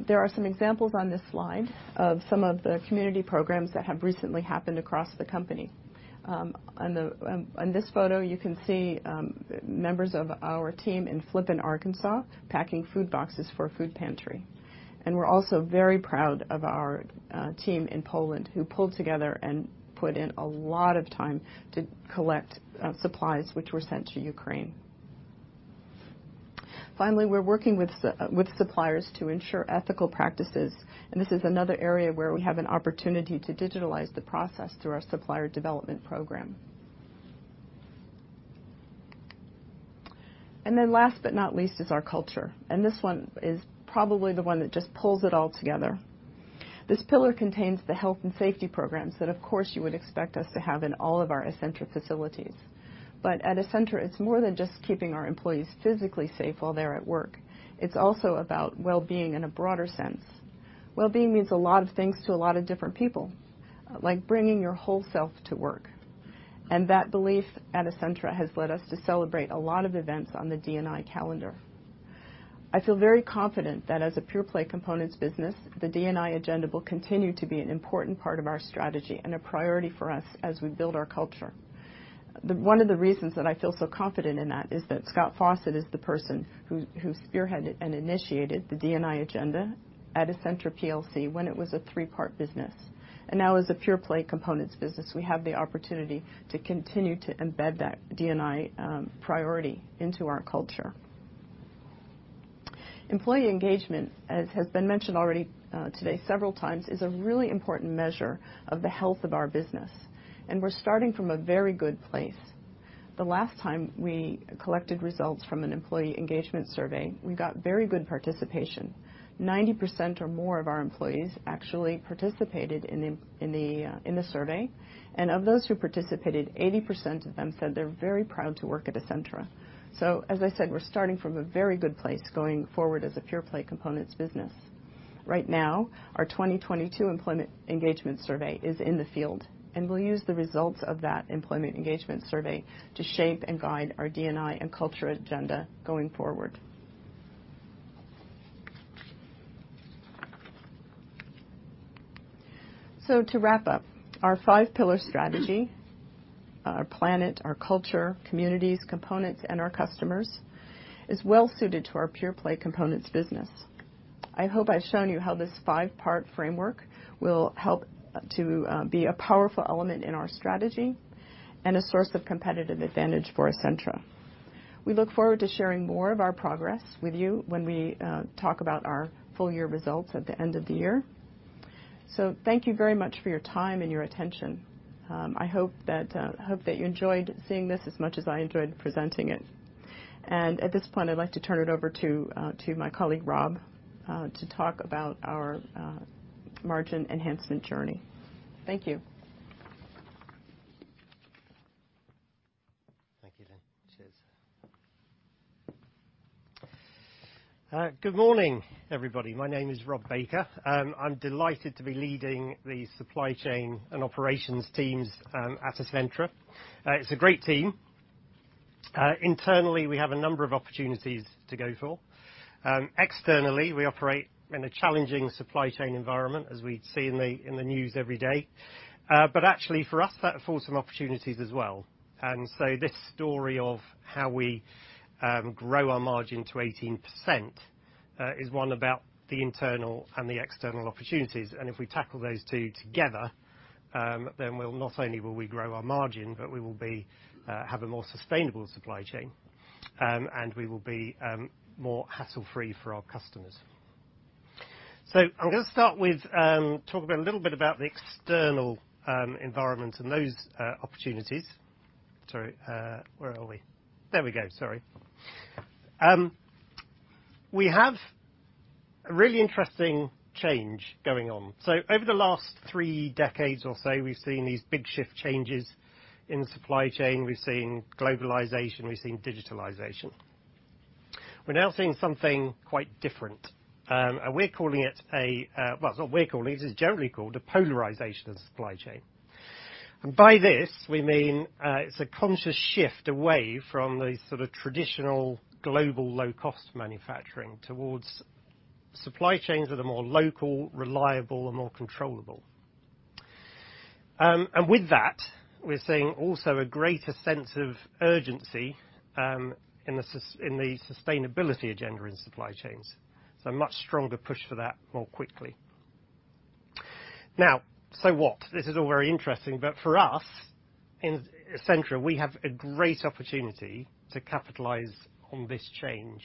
There are some examples on this slide of some of the community programs that have recently happened across the company. On this photo, you can see members of our team in Flippin, Arkansas, packing food boxes for a food pantry. We're also very proud of our team in Poland who pulled together and put in a lot of time to collect supplies which were sent to Ukraine. Finally, we're working with suppliers to ensure ethical practices, and this is another area where we have an opportunity to digitalize the process through our supplier development program. Last but not least is our culture, and this one is probably the one that just pulls it all together. This pillar contains the health and safety programs that of course you would expect us to have in all of our Essentra facilities. At Essentra, it's more than just keeping our employees physically safe while they're at work. It's also about well-being in a broader sense. Well-being means a lot of things to a lot of different people, like bringing your whole self to work. That belief at Essentra has led us to celebrate a lot of events on the D&I calendar. I feel very confident that as a pure play components business, the D&I agenda will continue to be an important part of our strategy and a priority for us as we build our culture. One of the reasons that I feel so confident in that is that Scott Fawcett is the person who spearheaded and initiated the D&I agenda at Essentra plc when it was a three-part business. Now as a pure play components business, we have the opportunity to continue to embed that D&I priority into our culture. Employee engagement, as has been mentioned already, today several times, is a really important measure of the health of our business, and we're starting from a very good place. The last time we collected results from an employee engagement survey, we got very good participation. 90% or more of our employees actually participated in the survey. Of those who participated, 80% of them said they're very proud to work at Essentra. As I said, we're starting from a very good place going forward as a pure play components business. Right now, our 2022 employment engagement survey is in the field, and we'll use the results of that employment engagement survey to shape and guide our D&I and culture agenda going forward. To wrap up, our five pillar strategy, our planet, our culture, communities, components, and our customers, is well suited to our pure play components business. I hope I've shown you how this five-part framework will help to be a powerful element in our strategy and a source of competitive advantage for Essentra. We look forward to sharing more of our progress with you when we talk about our full year results at the end of the year. Thank you very much for your time and your attention. I hope that you enjoyed seeing this as much as I enjoyed presenting it. At this point, I'd like to turn it over to my colleague, Rob, to talk about our margin enhancement journey. Thank you. Thank you, Lynne. Cheers. Good morning, everybody. My name is Rob Baker. I'm delighted to be leading the supply chain and operations teams at Essentra. It's a great team. Internally, we have a number of opportunities to go for. Externally, we operate in a challenging supply chain environment, as we see in the news every day. But actually for us, that affords some opportunities as well. This story of how we grow our margin to 18% is one about the internal and the external opportunities. If we tackle those two together, then we'll not only grow our margin, but we will have a more sustainable supply chain, and we will be more hassle-free for our customers. I'm gonna start with talk about a little bit about the external environment and those opportunities. We have a really interesting change going on. Over the last three decades or so, we've seen these big shift changes in supply chain. We've seen globalization, we've seen digitalization. We're now seeing something quite different. It's generally called a polarization of supply chain. By this, we mean it's a conscious shift away from the sort of traditional global low cost manufacturing towards supply chains that are more local, reliable, and more controllable. With that, we're seeing also a greater sense of urgency in the sustainability agenda in supply chains. A much stronger push for that more quickly. Now, what? This is all very interesting, but for us in Essentra, we have a great opportunity to capitalize on this change.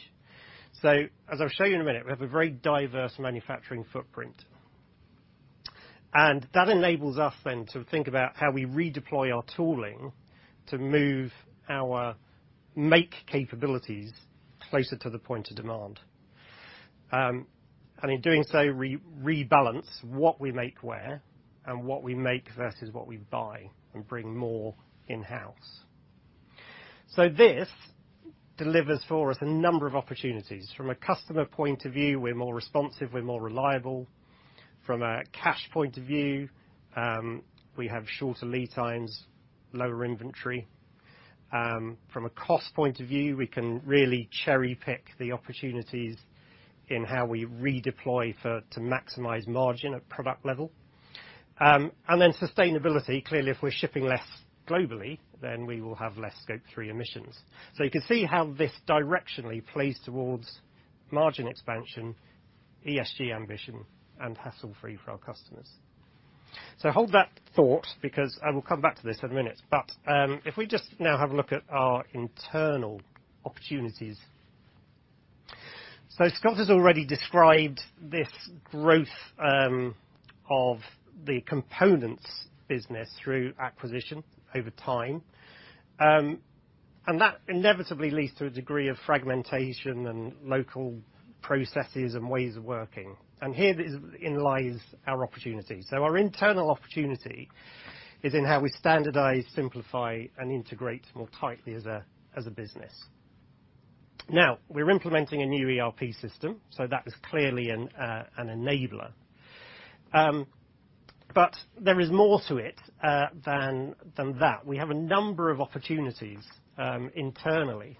As I'll show you in a minute, we have a very diverse manufacturing footprint. That enables us then to think about how we redeploy our tooling to move our make capabilities closer to the point of demand. In doing so, rebalance what we make where and what we make versus what we buy and bring more in-house. This delivers for us a number of opportunities. From a customer point of view, we're more responsive, we're more reliable. From a cash point of view, we have shorter lead times, lower inventory. From a cost point of view, we can really cherry-pick the opportunities in how we redeploy, to maximize margin at product level. Sustainability, clearly, if we're shipping less globally, then we will have less Scope 3 emissions. You can see how this directionally plays towards margin expansion, ESG ambition, and hassle-free for our customers. Hold that thought because I will come back to this in a minute. If we just now have a look at our internal opportunities. Scott has already described this growth of the components business through acquisition over time. That inevitably leads to a degree of fragmentation and local processes and ways of working. Herein lies our opportunity. Our internal opportunity is in how we standardize, simplify, and integrate more tightly as a business. Now, we're implementing a new ERP system, so that is clearly an enabler. There is more to it than that. We have a number of opportunities internally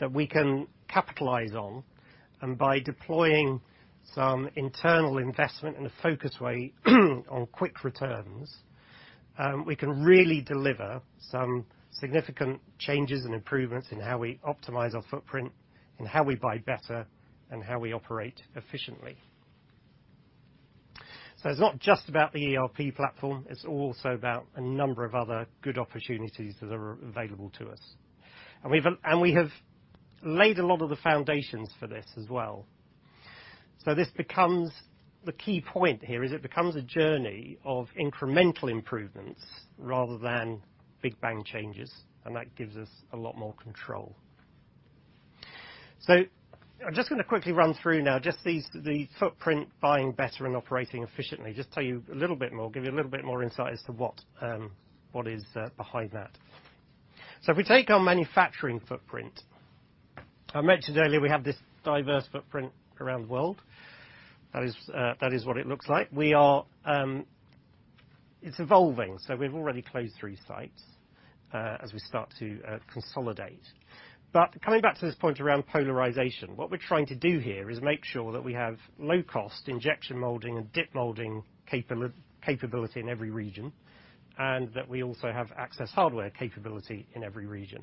that we can capitalize on. By deploying some internal investment in a focused way on quick returns, we can really deliver some significant changes and improvements in how we optimize our footprint and how we buy better and how we operate efficiently. It's not just about the ERP platform, it's also about a number of other good opportunities that are available to us. We have laid a lot of the foundations for this as well. This becomes the key point here, is it becomes a journey of incremental improvements rather than big bang changes, and that gives us a lot more control. I'm just gonna quickly run through now just these, the footprint buying better and operating efficiently. Just tell you a little bit more, give you a little bit more insight as to what is behind that. If we take our manufacturing footprint, I mentioned earlier we have this diverse footprint around the world. That is what it looks like. It's evolving, so we've already closed three sites as we start to consolidate. Coming back to this point around localization, what we're trying to do here is make sure that we have low-cost injection molding and dip molding capability in every region, and that we also have access hardware capability in every region.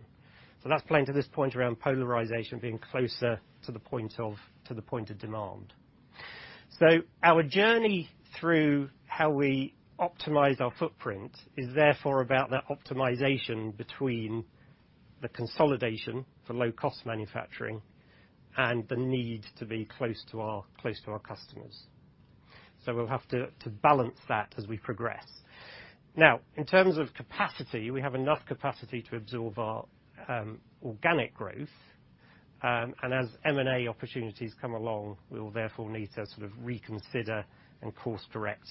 That's playing to this point around localization being closer to the point of demand. Our journey through how we optimize our footprint is therefore about that optimization between the consolidation for low cost manufacturing and the need to be close to our customers. We'll have to balance that as we progress. In terms of capacity, we have enough capacity to absorb our organic growth. As M&A opportunities come along, we will therefore need to sort of reconsider and course-correct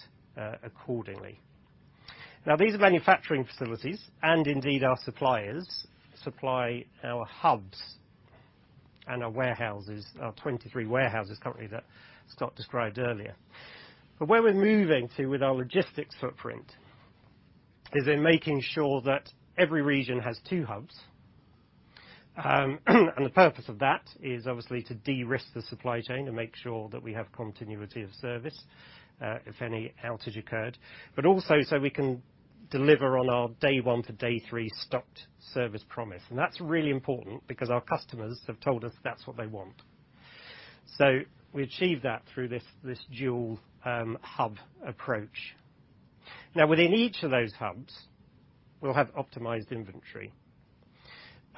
accordingly. These are manufacturing facilities, and indeed our suppliers supply our hubs and our warehouses, our 23 warehouses currently that Scott described earlier. Where we're moving to with our logistics footprint is in making sure that every region has two hubs. The purpose of that is obviously to de-risk the supply chain and make sure that we have continuity of service, if any outage occurred, but also so we can deliver on our day one to day three stocked service promise. That's really important because our customers have told us that's what they want. We achieve that through this dual hub approach. Now within each of those hubs, we'll have optimized inventory.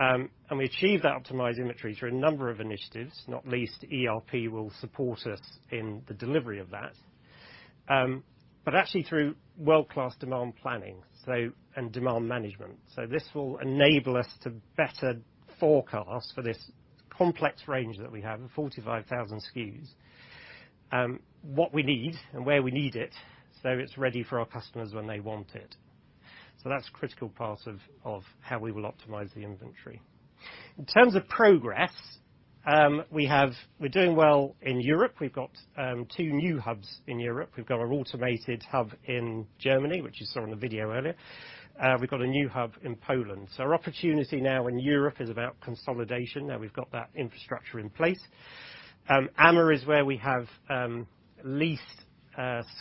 We achieve that optimized inventory through a number of initiatives, not least ERP will support us in the delivery of that. Actually through world-class demand planning and demand management. This will enable us to better forecast for this complex range that we have, 45,000 SKUs, what we need and where we need it, so it's ready for our customers when they want it. That's critical part of how we will optimize the inventory. In terms of progress, we're doing well in Europe. We've got two new hubs in Europe. We've got our automated hub in Germany, which you saw in the video earlier. We've got a new hub in Poland. Our opportunity now in Europe is about consolidation. Now we've got that infrastructure in place. AMER is where we have least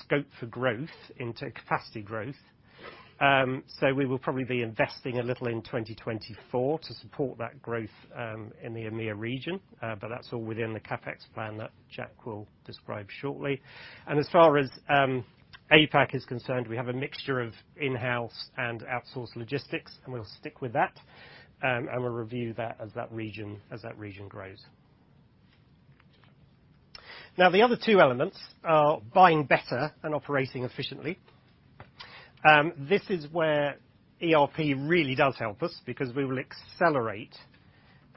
scope for growth into capacity growth. We will probably be investing a little in 2024 to support that growth in the AMER region. That's all within the CapEx plan that Jack will describe shortly. As far as APAC is concerned, we have a mixture of in-house and outsourced logistics, and we'll stick with that. We'll review that as that region grows. Now, the other two elements are buying better and operating efficiently. This is where ERP really does help us because we will accelerate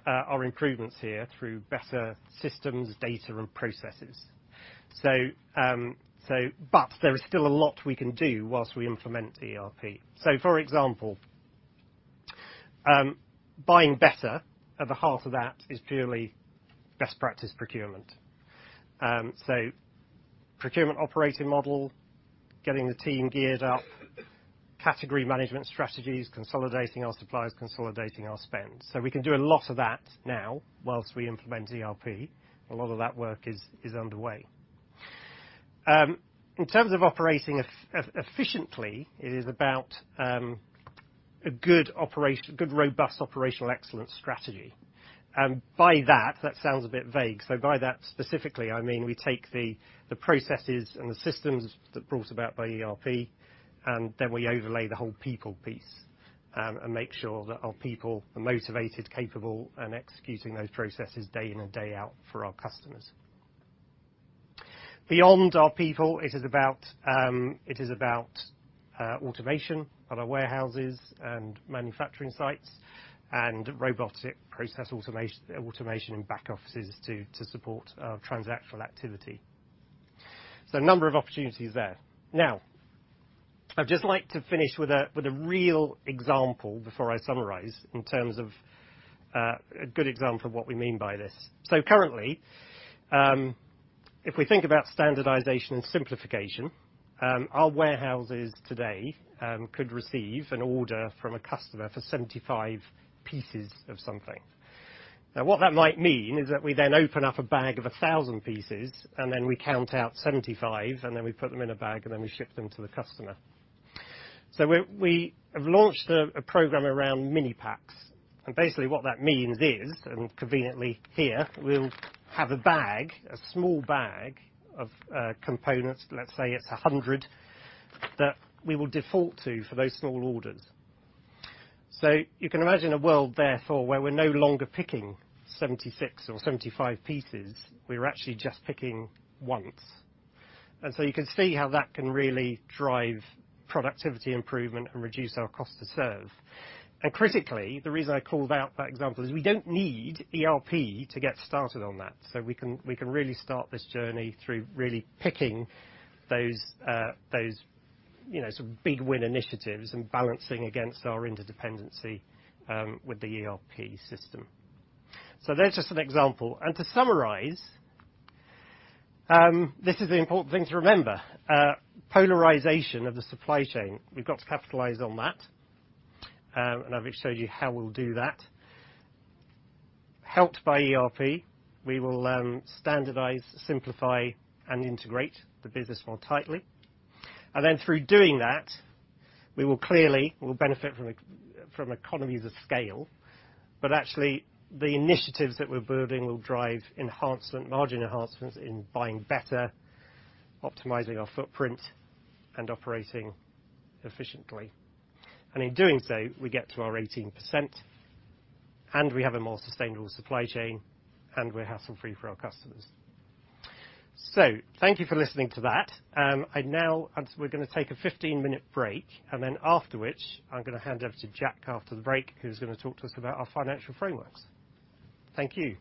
our improvements here through better systems, data, and processes. There is still a lot we can do while we implement ERP. For example, buying better at the heart of that is purely best practice procurement. Procurement operating model, getting the team geared up, category management strategies, consolidating our suppliers, consolidating our spend. We can do a lot of that now while we implement ERP. A lot of that work is underway. In terms of operating efficiently, it is about a good operation, good robust operational excellence strategy. By that sounds a bit vague, so by that specifically, I mean, we take the processes and the systems that brought about by ERP, and then we overlay the whole people piece, and make sure that our people are motivated, capable, and executing those processes day in and day out for our customers. Beyond our people, it is about automation at our warehouses and manufacturing sites and robotic process automation in back offices to support transactional activity. A number of opportunities there. Now I'd just like to finish with a real example before I summarize in terms of a good example of what we mean by this. Currently, if we think about standardization and simplification, our warehouses today could receive an order from a customer for 75 pieces of something. Now, what that might mean is that we then open up a bag of 1,000 pieces, and then we count out 75, and then we put them in a bag, and then we ship them to the customer. We have launched a program around mini packs, and basically what that means is, and conveniently here, we'll have a bag, a small bag of components, let's say it's 100, that we will default to for those small orders. You can imagine a world therefore where we're no longer picking 76 or 75 pieces. We're actually just picking once. You can see how that can really drive productivity improvement and reduce our cost to serve. Critically, the reason I called out that example is we don't need ERP to get started on that. We can really start this journey through really picking those, you know, sort of big win initiatives and balancing against our interdependency with the ERP system. There's just an example. To summarize, this is the important thing to remember, polarization of the supply chain. We've got to capitalize on that. I've showed you how we'll do that. Helped by ERP, we will standardize, simplify, and integrate the business more tightly. Then through doing that, we will clearly benefit from economies of scale. Actually, the initiatives that we're building will drive enhancement, margin enhancements in buying better, optimizing our footprint, and operating efficiently. In doing so, we get to our 18%, and we have a more sustainable supply chain, and we're hassle-free for our customers. Thank you for listening to that. We're gonna take a 15-minute break, and then after which, I'm gonna hand over to Jack after the break, who's gonna talk to us about our financial frameworks. Thank you.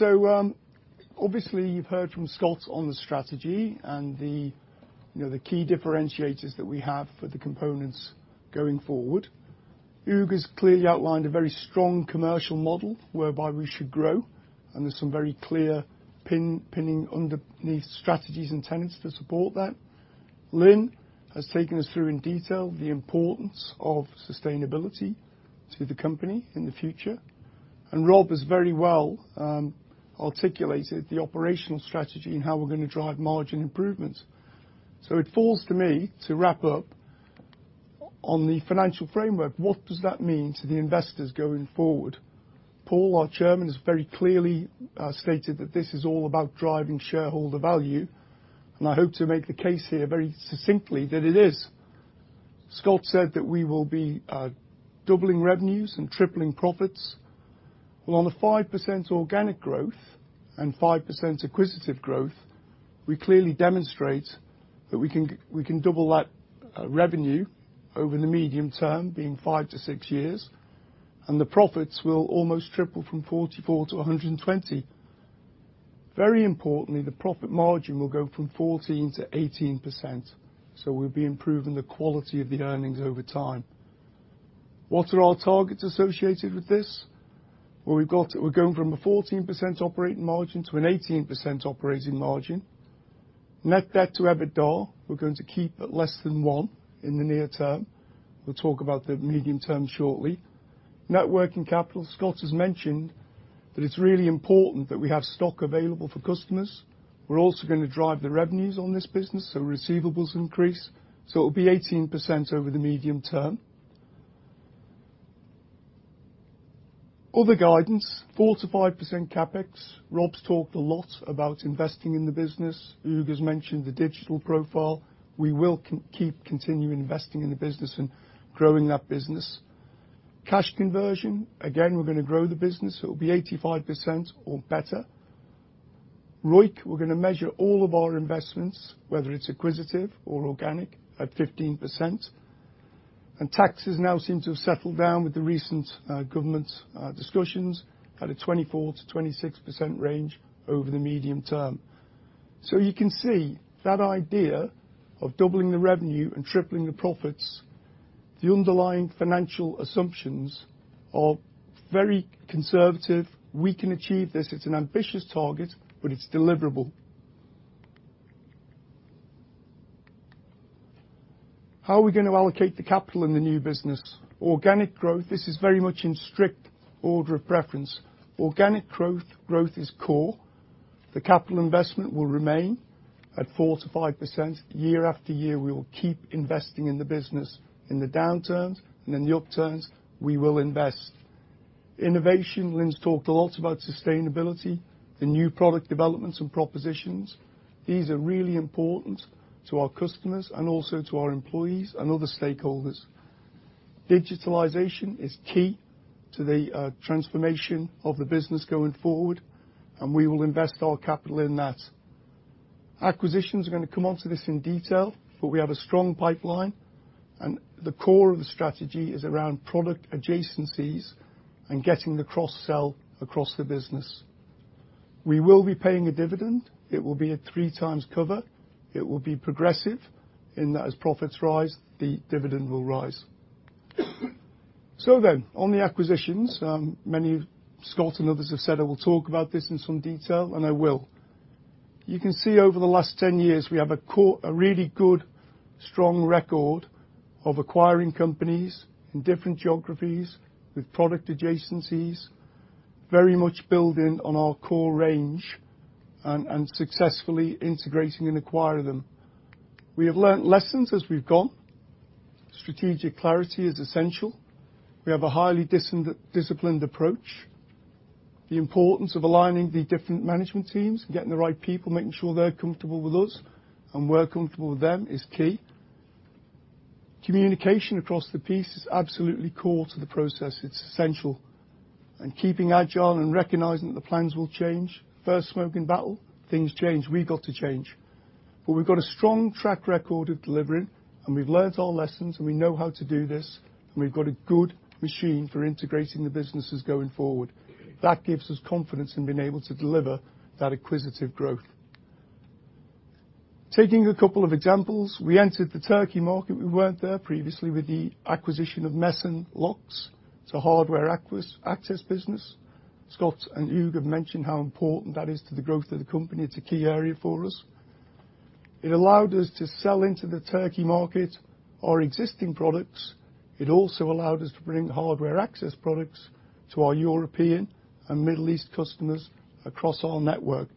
Yes. Obviously, you've heard from Scott on the strategy and the, you know, the key differentiators that we have for the components going forward. Hugues clearly outlined a very strong commercial model whereby we should grow, and there's some very clear pinpointing underneath strategies and tenets to support that. Lynne has taken us through in detail the importance of sustainability to the company in the future. Rob has very well articulated the operational strategy and how we're gonna drive margin improvements. It falls to me to wrap up on the financial framework, what does that mean to the investors going forward? Paul, our chairman, has very clearly stated that this is all about driving shareholder value, and I hope to make the case here very succinctly that it is. Scott said that we will be doubling revenues and tripling profits. Well, on the 5% organic growth and 5% acquisitive growth, we clearly demonstrate that we can double that revenue over the medium term being 5-6 years, and the profits will almost triple from 44-120. Very importantly, the profit margin will go from 14%-18%, so we'll be improving the quality of the earnings over time. What are our targets associated with this? Well, we've got. We're going from a 14% operating margin to an 18% operating margin. Net debt to EBITDA, we're going to keep at less than one in the near term. We'll talk about the medium term shortly. Net working capital, Scott has mentioned that it's really important that we have stock available for customers. We're also gonna drive the revenues on this business, so receivables increase, so it'll be 18% over the medium term. Other guidance, 4%-5% CapEx. Rob's talked a lot about investing in the business. Hugues has mentioned the digital profile. We will keep continuing investing in the business and growing that business. Cash conversion, again, we're gonna grow the business. It'll be 85% or better. ROIC, we're gonna measure all of our investments, whether it's acquisitive or organic, at 15%. Taxes now seem to have settled down with the recent government discussions at a 24%-26% range over the medium term. You can see that idea of doubling the revenue and tripling the profits, the underlying financial assumptions are very conservative. We can achieve this. It's an ambitious target, but it's deliverable. How are we gonna allocate the capital in the new business? Organic growth, this is very much in strict order of preference. Organic growth is core. The capital investment will remain at 4%-5%. Year after year, we will keep investing in the business. In the downturns and in the upturns, we will invest. Innovation, Lynne's talked a lot about sustainability, the new product developments and propositions. These are really important to our customers and also to our employees and other stakeholders. Digitalization is key to the transformation of the business going forward, and we will invest our capital in that. Acquisitions, we're gonna come onto this in detail, but we have a strong pipeline, and the core of the strategy is around product adjacencies and getting the cross-sell across the business. We will be paying a dividend. It will be at three times cover. It will be progressive in that as profits rise, the dividend will rise. On the acquisitions, Scott and others have said I will talk about this in some detail, and I will. You can see over the last 10 years, we have a really good, strong record of acquiring companies in different geographies with product adjacencies, very much building on our core range and successfully integrating and acquiring them. We have learned lessons as we've gone. Strategic clarity is essential. We have a highly disciplined approach. The importance of aligning the different management teams, getting the right people, making sure they're comfortable with us and we're comfortable with them is key. Communication across the piece is absolutely core to the process. It's essential. Keeping agile and recognizing that the plans will change. First shot in battle, things change. We've got to change. We've got a strong track record of delivering, and we've learned our lessons, and we know how to do this, and we've got a good machine for integrating the businesses going forward. That gives us confidence in being able to deliver that acquisitive growth. Taking a couple of examples. We entered the Turkey market, we weren't there previously, with the acquisition of Mesan. It's an access hardware business. Scott and Hugues have mentioned how important that is to the growth of the company. It's a key area for us. It allowed us to sell into the Turkey market our existing products. It also allowed us to bring access hardware products to our European and Middle East customers across our network.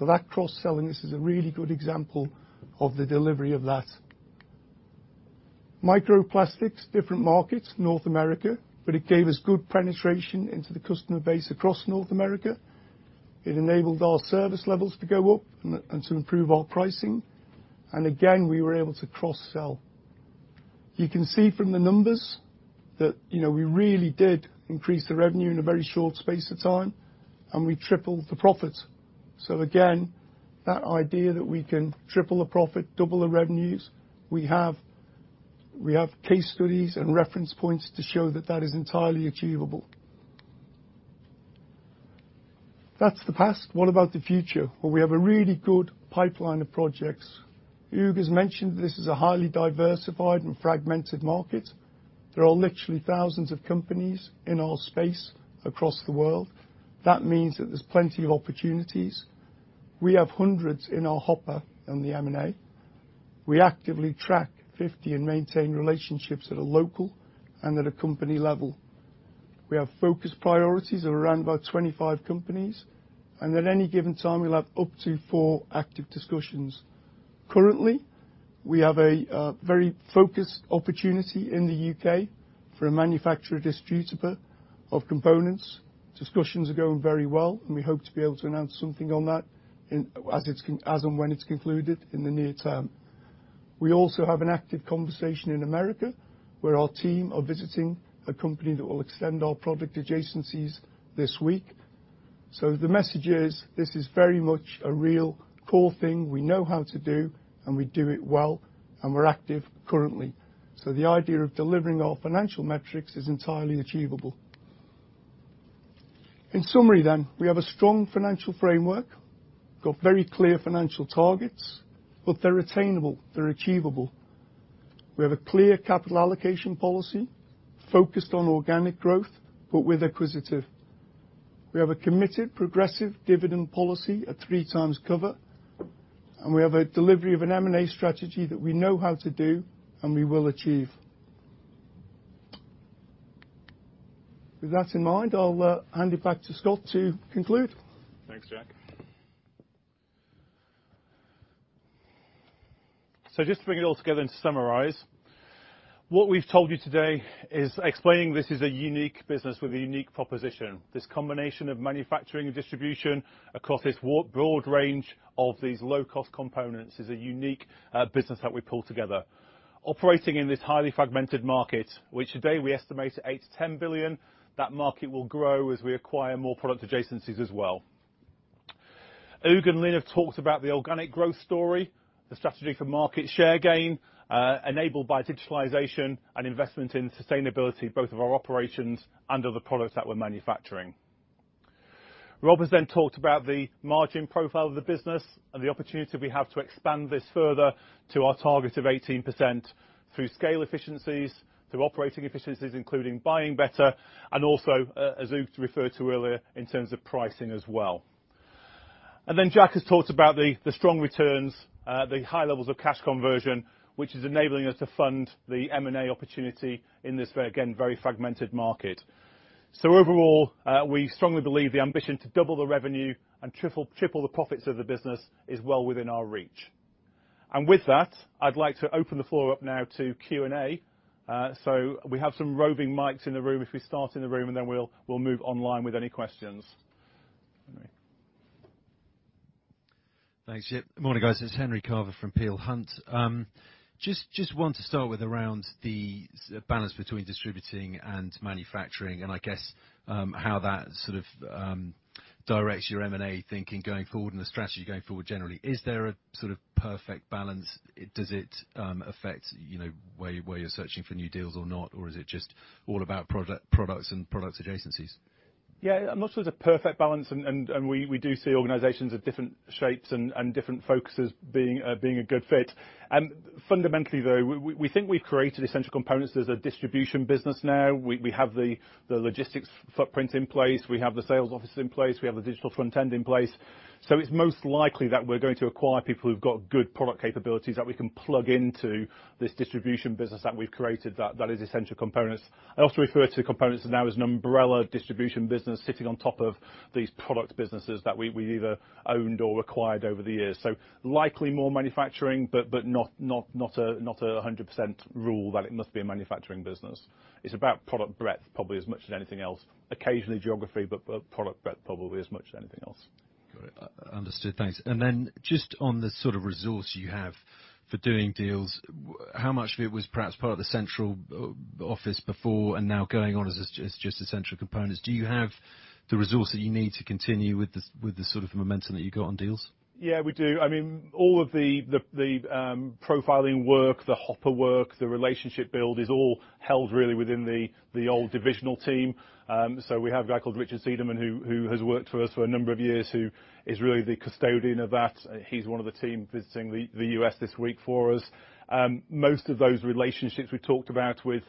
That cross-selling, this is a really good example of the delivery of that. Micro Plastics, different markets, North America, but it gave us good penetration into the customer base across North America. It enabled our service levels to go up and to improve our pricing. Again, we were able to cross-sell. You can see from the numbers that, you know, we really did increase the revenue in a very short space of time, and we tripled the profits. Again, that idea that we can triple the profit, double the revenues, we have case studies and reference points to show that that is entirely achievable. That's the past. What about the future? Well, we have a really good pipeline of projects. Hugues has mentioned this is a highly diversified and fragmented market. There are literally thousands of companies in our space across the world. That means that there's plenty of opportunities. We have hundreds in our hopper in the M&A. We actively track 50 and maintain relationships at a local and at a company level. We have focus priorities of around about 25 companies, and at any given time, we'll have up to four active discussions. Currently, we have a very focused opportunity in the UK for a manufacturer distributor of components. Discussions are going very well, and we hope to be able to announce something on that in, as and when it's concluded in the near term. We also have an active conversation in America, where our team are visiting a company that will extend our product adjacencies this week. The message is, this is very much a real core thing we know how to do, and we do it well, and we're active currently. The idea of delivering our financial metrics is entirely achievable. In summary then, we have a strong financial framework. Got very clear financial targets, but they're attainable, they're achievable. We have a clear capital allocation policy focused on organic growth, but we're acquisitive. We have a committed progressive dividend policy at three times cover, and we have a delivery of an M&A strategy that we know how to do and we will achieve. With that in mind, I'll hand it back to Scott to conclude. Thanks, Jack. Just to bring it all together and to summarize, what we've told you today is explaining this is a unique business with a unique proposition. This combination of manufacturing and distribution across this broad range of these low-cost components is a unique business that we pull together. Operating in this highly fragmented market, which today we estimate at 8-10 billion, that market will grow as we acquire more product adjacencies as well. Hugues and Lynne have talked about the organic growth story, the strategy for market share gain, enabled by digitalization and investment in sustainability, both of our operations and of the products that we're manufacturing. Rob has then talked about the margin profile of the business and the opportunity we have to expand this further to our target of 18% through scale efficiencies, through operating efficiencies, including buying better, and also, as Hugues referred to earlier, in terms of pricing as well. Jack has talked about the strong returns, the high levels of cash conversion, which is enabling us to fund the M&A opportunity in this very, again, very fragmented market. Overall, we strongly believe the ambition to double the revenue and triple the profits of the business is well within our reach. With that, I'd like to open the floor up now to Q&A. We have some roving mics in the room. If we start in the room, and then we'll move online with any questions. Henry. Thanks, yeah. Morning, guys. It's Henry Carver from Peel Hunt. I want to start with around the balance between distributing and manufacturing and I guess how that sort of directs your M&A thinking going forward and the strategy going forward generally. Is there a sort of perfect balance? Does it affect, you know, where you're searching for new deals or not? Or is it just all about products and products adjacencies? Yeah. I'm not sure there's a perfect balance and we do see organizations of different shapes and different focuses being a good fit. Fundamentally though, we think we've created Essentra Components as a distribution business now. We have the logistics footprint in place. We have the sales office in place. We have the digital front end in place. It's most likely that we're going to acquire people who've got good product capabilities that we can plug into this distribution business that we've created that is Essentra Components. I also refer to Components now as an umbrella distribution business sitting on top of these product businesses that we've either owned or acquired over the years. Likely more manufacturing, but not a hundred percent rule that it must be a manufacturing business. It's about product breadth probably as much as anything else. Occasionally geography, but product breadth probably as much as anything else. Got it. Understood. Thanks. Just on the sort of resource you have for doing deals, how much of it was perhaps part of the central office before and now going on as just Essentra Components? Do you have the resource that you need to continue with the sort of momentum that you got on deals? Yeah, we do. I mean, all of the profiling work, the hopper work, the relationship build is all held really within the old divisional team. So we have a guy called Richard Sederman who has worked for us for a number of years, who is really the custodian of that. He's one of the team visiting the U.S. this week for us. Most of those relationships we talked about with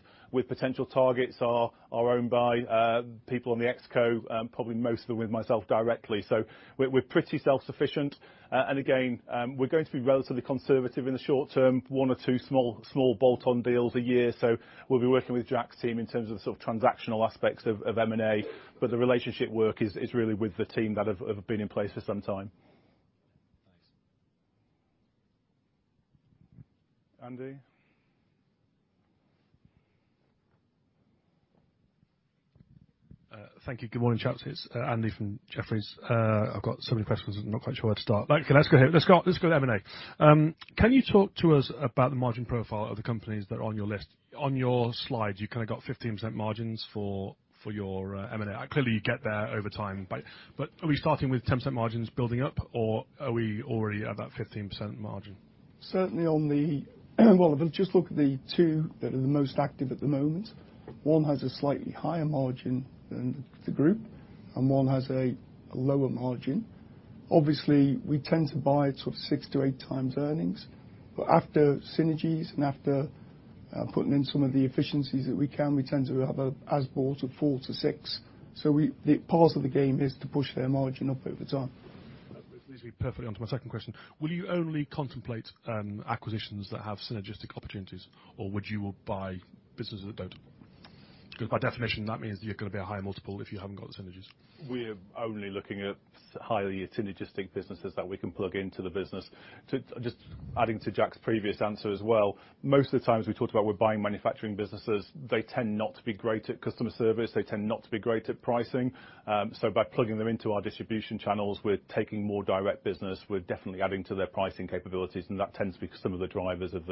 potential targets are owned by people on the ExCo, probably most of them with myself directly. So we're pretty self-sufficient. And again, we're going to be relatively conservative in the short term, one or two small bolt-on deals a year. We'll be working with Jack's team in terms of the sort of transactional aspects of M&A, but the relationship work is really with the team that have been in place for some time. Thanks. Andy? Thank you. Good morning, chaps. It's Andy from Jefferies. I've got so many questions, I'm not quite sure where to start. Okay, let's go here. Let's go with M&A. Can you talk to us about the margin profile of the companies that are on your list? On your slide, you kinda got 15% margins for your M&A. Clearly, you get there over time, but are we starting with 10% margins building up, or are we already at that 15% margin? Certainly, if we just look at the two that are the most active at the moment, one has a slightly higher margin than the group, and one has a lower margin. Obviously, we tend to buy sort of 6-8 times earnings. After synergies and after putting in some of the efficiencies that we can, we tend to have an as-bought of 4-6. Part of the game is to push their margin up over time. That leads me perfectly on to my second question. Will you only contemplate acquisitions that have synergistic opportunities, or would you buy businesses that don't? 'Cause by definition, that means you're gonna be a higher multiple if you haven't got the synergies. We're only looking at highly synergistic businesses that we can plug into the business. Just adding to Jack's previous answer as well, most of the times we talked about we're buying manufacturing businesses, they tend not to be great at customer service, they tend not to be great at pricing. So by plugging them into our distribution channels, we're taking more direct business. We're definitely adding to their pricing capabilities, and that tends to be some of the drivers of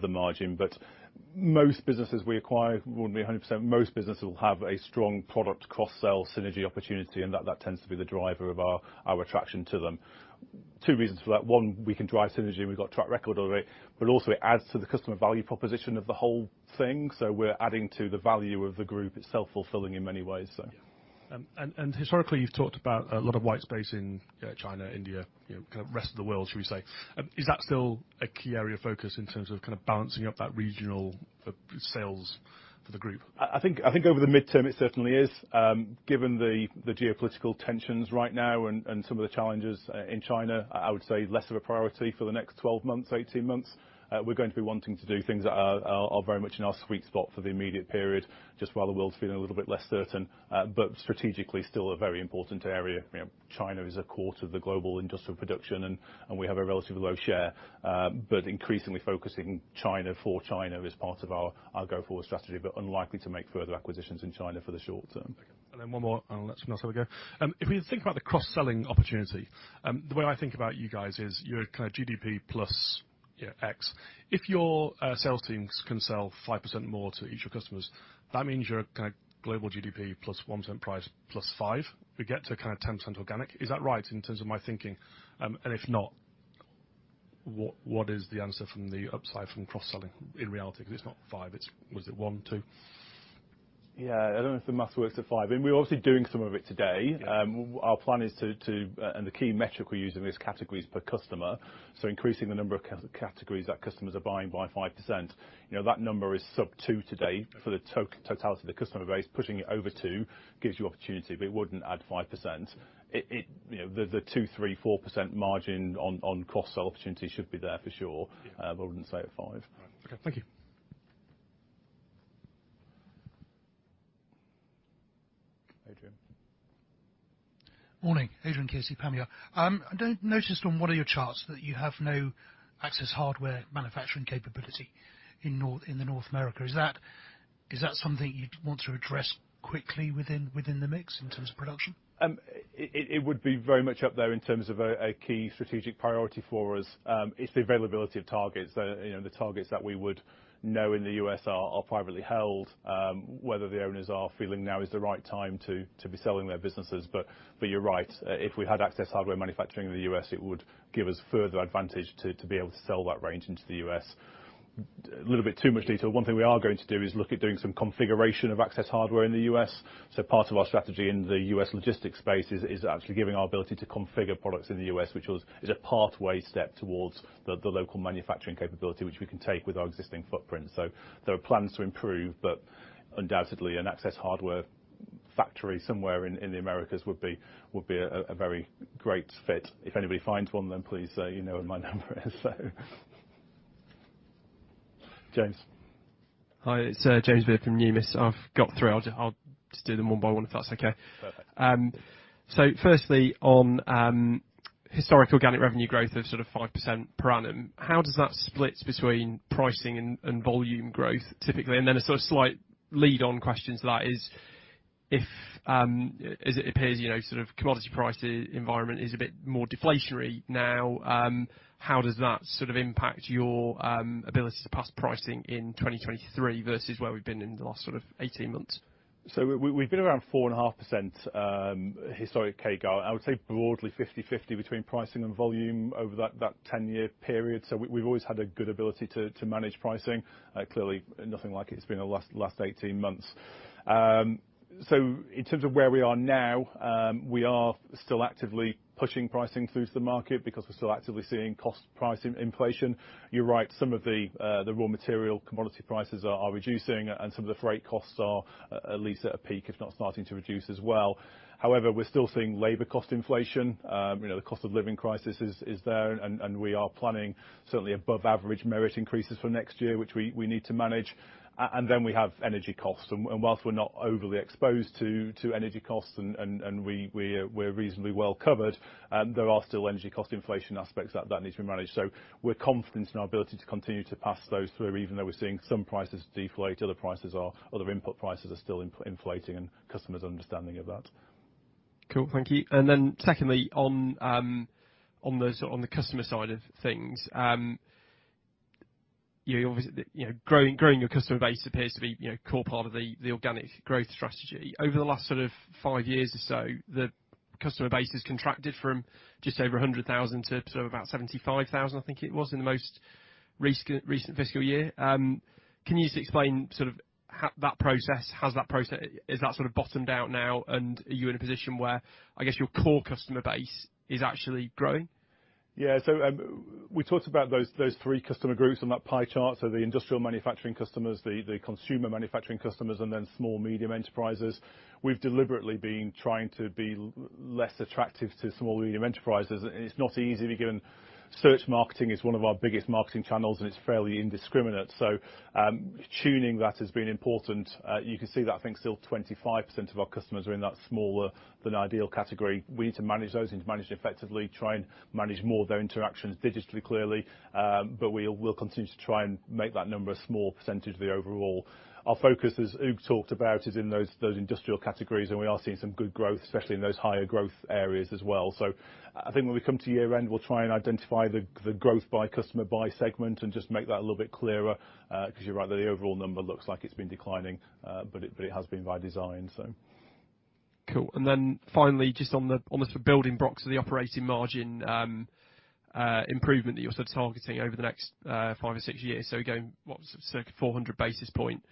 the margin. Most businesses we acquire wouldn't be a hundred percent, most businesses will have a strong product cross-sell synergy opportunity, and that tends to be the driver of our attraction to them. Two reasons for that. One, we can drive synergy and we've got track record already, but also it adds to the customer value proposition of the whole thing. We're adding to the value of the group. It's self-fulfilling in many ways, so. Yeah. Historically, you've talked about a lot of white space in China, India, you know, kind of rest of the world, should we say. Is that still a key area of focus in terms of kinda balancing up that regional sales for the group? I think over the midterm, it certainly is. Given the geopolitical tensions right now and some of the challenges in China, I would say less of a priority for the next 12 months, 18 months. We're going to be wanting to do things that are very much in our sweet spot for the immediate period, just while the world's feeling a little bit less certain. Strategically, still a very important area. You know, China is a quarter of the global industrial production, and we have a relatively low share. Increasingly focusing China for China is part of our go-forward strategy, but unlikely to make further acquisitions in China for the short term. Okay. One more, and I'll let someone else have a go. If we think about the cross-selling opportunity, the way I think about you guys is you're kinda GDP plus, you know, X. If your sales teams can sell 5% more to each of your customers, that means you're kinda global GDP plus 1% price plus 5. We get to kinda 10% organic. Is that right in terms of my thinking? If not, what is the answer from the upside from cross-selling in reality? 'Cause it's not 5, it's 1, 2? Yeah. I don't know if the math works at five. We're obviously doing some of it today. Yeah. Our plan is, and the key metric we're using is categories per customer, so increasing the number of categories that customers are buying by 5%. You know, that number is sub two today for the totality of the customer base. Pushing it over two gives you opportunity, but it wouldn't add 5%. You know, the 2, 3, 4% margin on cross-sell opportunities should be there for sure. Yeah. I wouldn't say at five. All right. Okay. Thank you. Adrian. Morning. Adrian Kearsey, Panmure. Noticed on one of your charts that you have no access hardware manufacturing capability in North America. Is that something you'd want to address quickly within the mix in terms of production? It would be very much up there in terms of a key strategic priority for us. It's the availability of targets that, you know, the targets that we would know in the US are privately held. Whether the owners are feeling now is the right time to be selling their businesses. You're right. If we had access hardware manufacturing in the US, it would give us further advantage to be able to sell that range into the US. Little bit too much detail. One thing we are going to do is look at doing some configuration of access hardware in the US. Part of our strategy in the US logistics space is actually giving our ability to configure products in the US, which is a pathway step towards the local manufacturing capability, which we can take with our existing footprint. There are plans to improve, but undoubtedly an access hardware factory somewhere in the Americas would be a very great fit. If anybody finds one, then please, you know where my number is, so. James. Hi. It's James Beard from Numis. I've got three. I'll just do them one by one if that's okay. Perfect. So firstly, on historic organic revenue growth of sort of 5% per annum, how does that split between pricing and volume growth typically? Then a sort of slight lead-on question to that is, if, as it appears, you know, sort of commodity price environment is a bit more deflationary now, how does that sort of impact your ability to pass pricing in 2023 versus where we've been in the last sort of 18 months? We've been around 4.5% historic CAGR. I would say broadly 50-50 between pricing and volume over that 10-year period. We've always had a good ability to manage pricing. Clearly nothing like it's been the last 18 months. In terms of where we are now, we are still actively pushing pricing through to the market because we're still actively seeing cost price inflation. You're right, some of the raw material commodity prices are reducing and some of the freight costs are at least at a peak, if not starting to reduce as well. However, we're still seeing labor cost inflation. You know, the cost of living crisis is there, and we are planning certainly above average merit increases for next year, which we need to manage. We have energy costs. While we're not overly exposed to energy costs and we're reasonably well covered, there are still energy cost inflation aspects that need to be managed. We're confident in our ability to continue to pass those through, even though we're seeing some prices deflate, other input prices are still inflating and customers are understanding of that. Cool. Thank you. Secondly, on the customer side of things, you know, obviously, growing your customer base appears to be, you know, a core part of the organic growth strategy. Over the last sort of 5 years or so, the customer base has contracted from just over 100,000 to sort of about 75,000, I think it was, in the most recent fiscal year. Can you just explain sort of that process? How's that process? Is that sort of bottomed out now, and are you in a position where, I guess, your core customer base is actually growing? Yeah. We talked about those three customer groups on that pie chart, the industrial manufacturing customers, the consumer manufacturing customers, and then small, medium enterprises. We've deliberately been trying to be less attractive to small or medium enterprises, and it's not easy given search marketing is one of our biggest marketing channels, and it's fairly indiscriminate. Tuning that has been important. You can see that I think still 25% of our customers are in that smaller than ideal category. We need to manage those effectively, try and manage more of their interactions digitally, clearly. We will continue to try and make that number a small percentage of the overall. Our focus, as Hugues talked about, is in those industrial categories, and we are seeing some good growth, especially in those higher growth areas as well. I think when we come to year-end, we'll try and identify the growth by customer, by segment, and just make that a little bit clearer, 'cause you're right, the overall number looks like it's been declining, but it has been by design. Cool. Finally, just on the sort of building blocks of the operating margin improvement that you're sort of targeting over the next five or six years, again, what sort of 400 basis point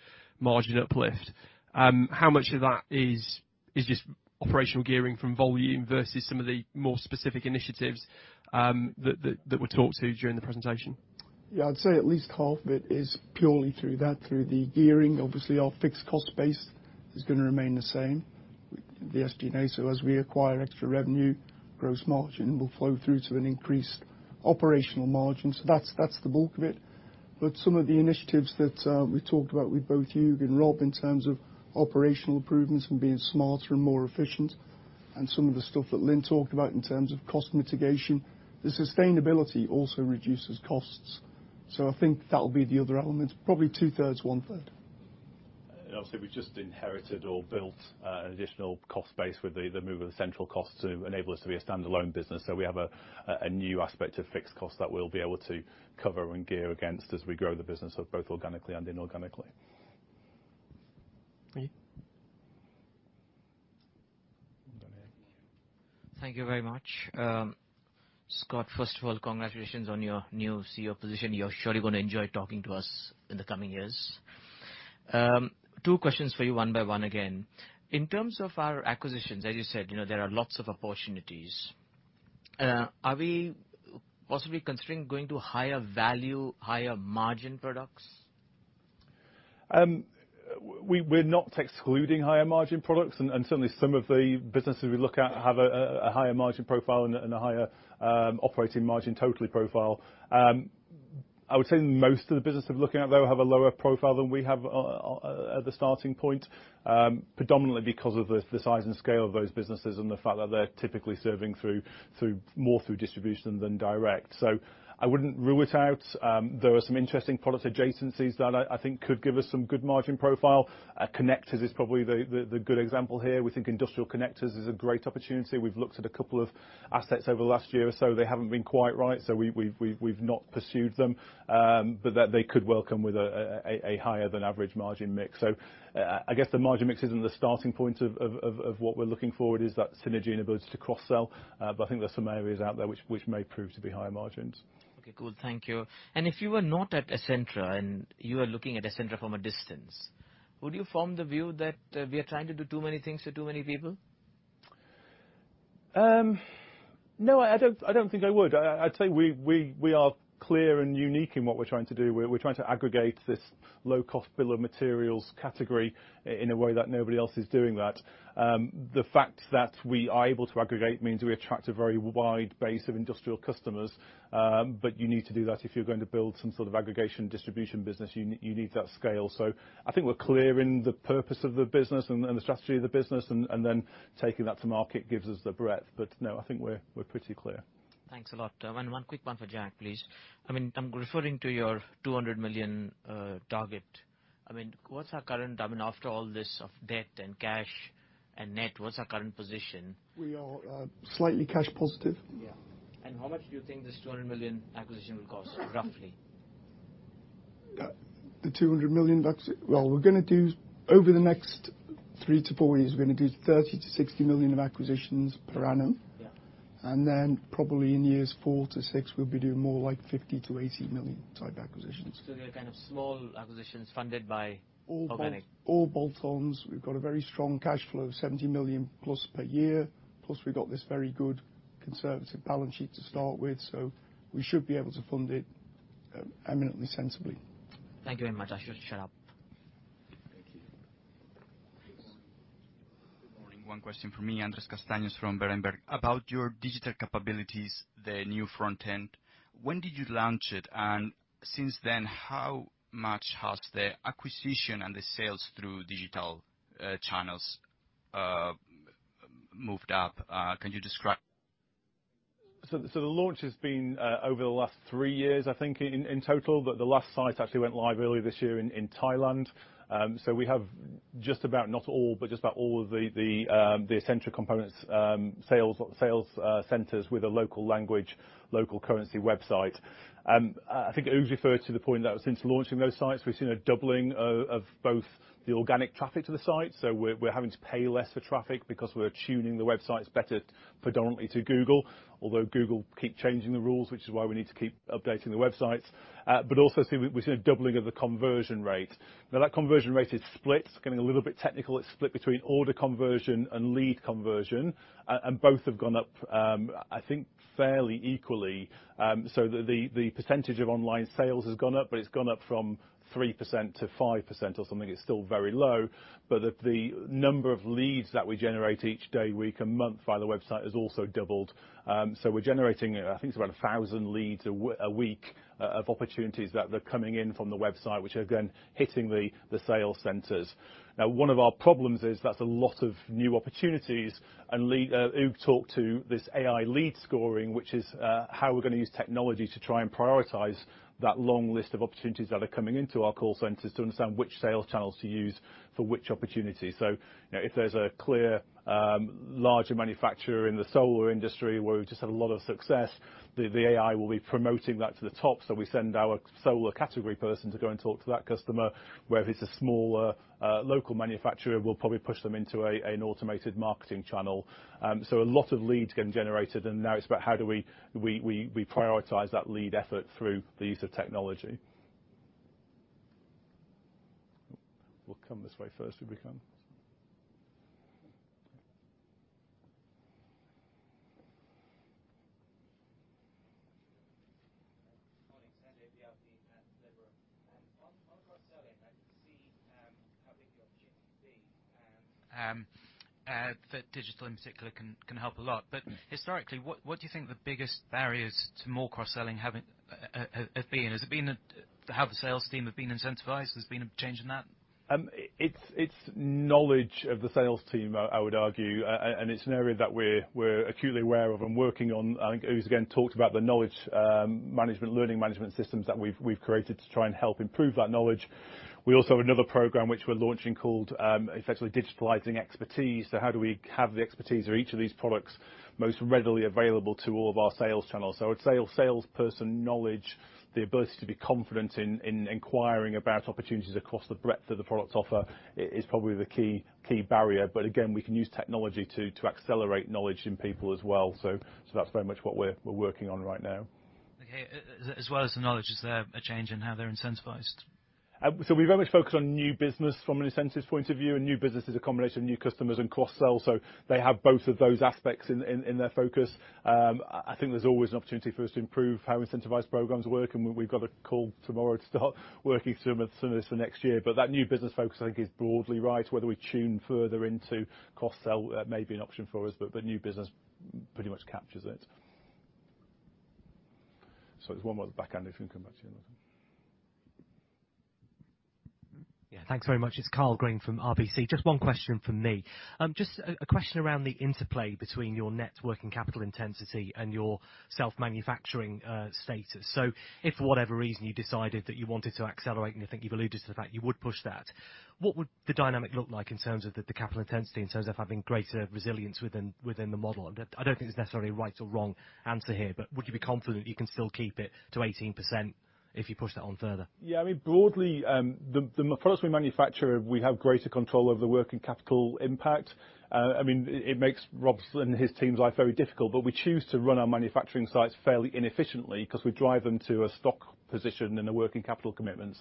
margin uplift. How much of that is just operational gearing from volume versus some of the more specific initiatives that were talked to during the presentation? Yeah. I'd say at least half of it is purely through that, through the gearing. Obviously, our fixed cost base is gonna remain the same, the SG&A. As we acquire extra revenue, gross margin will flow through to an increased operational margin. That's the bulk of it. Some of the initiatives that we talked about with both Hugues and Rob in terms of operational improvements and being smarter and more efficient and some of the stuff that Lynne talked about in terms of cost mitigation. The sustainability also reduces costs. I think that'll be the other element. Probably two-thirds, one-third. Obviously, we've just inherited or built an additional cost base with the move of the central costs to enable us to be a standalone business. We have a new aspect of fixed costs that we'll be able to cover and gear against as we grow the business, so both organically and inorganically. Okay. Daniel. Thank you very much. Scott, first of all, congratulations on your new CEO position. You're surely gonna enjoy talking to us in the coming years. Two questions for you, one by one again. In terms of our acquisitions, as you said, you know, there are lots of opportunities. Are we possibly considering going to higher value, higher margin products? We're not excluding higher margin products, and certainly some of the businesses we look at have a higher margin profile and a higher operating margin total profile. I would say most of the business we're looking at, though, have a lower profile than we have at the starting point, predominantly because of the size and scale of those businesses and the fact that they're typically serving through more distribution than direct. I wouldn't rule it out. There are some interesting product adjacencies that I think could give us some good margin profile. Connectors is probably the good example here. We think industrial connectors is a great opportunity. We've looked at a couple of assets over the last year or so. They haven't been quite right, so we've not pursued them. That they could well come with a higher than average margin mix. I guess the margin mix isn't the starting point of what we're looking for. It is that synergy and ability to cross-sell. I think there's some areas out there which may prove to be higher margins. Okay, cool. Thank you. If you were not at Essentra, and you were looking at Essentra from a distance, would you form the view that, we are trying to do too many things to too many people? No, I don't think I would. I'd say we are clear and unique in what we're trying to do. We're trying to aggregate this low-cost bill of materials category in a way that nobody else is doing that. The fact that we are able to aggregate means we attract a very wide base of industrial customers. You need to do that if you're going to build some sort of aggregation distribution business. You need that scale. I think we're clear in the purpose of the business and the strategy of the business and then taking that to market gives us the breadth. No, I think we're pretty clear. Thanks a lot. One quick one for Jack, please. I mean, I'm referring to your 200 million target. I mean, after all this of debt and cash and net, what's our current position? We are slightly cash positive. Yeah. How much do you think this 200 million acquisition will cost roughly? The GBP 200 million, that's well, we're gonna do, over the next 3-4 years, we're gonna do 30-60 million of acquisitions per annum. Yeah. Probably in years 4-6, we'll be doing more like 50-80 million type acquisitions. They're kind of small acquisitions funded by organic. All bolt, all bolt-ons. We've got a very strong cash flow of 70 million+ per year, plus we've got this very good conservative balance sheet to start with, so we should be able to fund it, eminently sensibly. Thank you very much. I should shut up. Thank you. Please. Good morning. One question from me, Andres Castanos from Berenberg. About your digital capabilities, the new front end, when did you launch it? Since then, how much has the acquisition and the sales through digital channels moved up? Can you describe The launch has been over the last three years, I think, in total. The last site actually went live earlier this year in Thailand. We have just about, not all, but just about all of the Essentra Components sales centers with a local language, local currency website. I think Hugues referred to the point that since launching those sites, we've seen a doubling of both the organic traffic to the site. We're having to pay less for traffic because we're tuning the websites better predominantly to Google. Although Google keep changing the rules, which is why we need to keep updating the websites. We've seen a doubling of the conversion rate. Now that conversion rate is split. It's getting a little bit technical. It's split between order conversion and lead conversion. Both have gone up, I think fairly equally. The percentage of online sales has gone up, but it's gone up from 3%-5% or something. It's still very low, but the number of leads that we generate each day, week, and month via the website has also doubled. We're generating, I think it's around 1,000 leads a week of opportunities that are coming in from the website which are again hitting the sales centers. Now, one of our problems is that's a lot of new opportunities, and Hugues talked to this AI lead scoring, which is how we're gonna use technology to try and prioritize that long list of opportunities that are coming into our call centers to understand which sales channels to use for which opportunity. You know, if there's a clear larger manufacturer in the solar industry where we've just had a lot of success, the AI will be promoting that to the top, so we send our solar category person to go and talk to that customer. Where if it's a smaller local manufacturer, we'll probably push them into an automated marketing channel. A lot of leads getting generated, and now it's about how do we prioritize that lead effort through the use of technology. We'll come this way first, shall we come? Morning. Sanjay, BLP. On cross-selling, I can see how big the opportunity can be and that digital in particular can help a lot. Historically, what do you think the biggest barriers to more cross-selling have been? Has it been how the sales team have been incentivized? There's been a change in that? It's knowledge of the sales team. I would argue. It's an area that we're acutely aware of and working on. I think Hugues again talked about the knowledge management, learning management systems that we've created to try and help improve that knowledge. We also have another program which we're launching called essentially digitalizing expertise. How do we have the expertise of each of these products most readily available to all of our sales channels? I would say our salesperson knowledge, the ability to be confident in inquiring about opportunities across the breadth of the products offer is probably the key barrier. We can use technology to accelerate knowledge in people as well. That's very much what we're working on right now. Okay. As well as the knowledge, is there a change in how they're incentivized? We very much focus on new business from an incentives point of view, and new business is a combination of new customers and cross-sell. They have both of those aspects in their focus. I think there's always an opportunity for us to improve how incentivized programs work, and we've got a call tomorrow to start working some of this for next year. That new business focus I think is broadly right. Whether we tune further into cross-sell may be an option for us, but new business pretty much captures it. There's one more at the back, Andy, if you can come back to here. Yeah. Thanks very much. It's Karl Green from RBC. Just one question from me. Just a question around the interplay between your net working capital intensity and your self-manufacturing status. If for whatever reason you decided that you wanted to accelerate, and I think you've alluded to the fact you would push that, what would the dynamic look like in terms of the capital intensity, in terms of having greater resilience within the model? I don't think there's necessarily a right or wrong answer here, but would you be confident you can still keep it to 18% if you push that on further? Yeah. I mean, broadly, the products we manufacture, we have greater control over the working capital impact. I mean, it makes Rob's and his team's life very difficult, but we choose to run our manufacturing sites fairly inefficiently because we drive them to a stock position and a working capital commitment.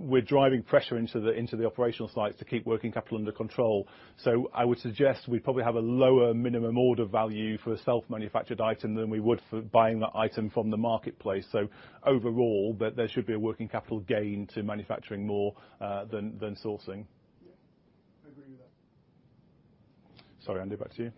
We're driving pressure into the operational sites to keep working capital under control. I would suggest we probably have a lower minimum order value for a self-manufactured item than we would for buying that item from the marketplace. Overall, there should be a working capital gain to manufacturing more than sourcing. Yeah. I agree with that. Sorry,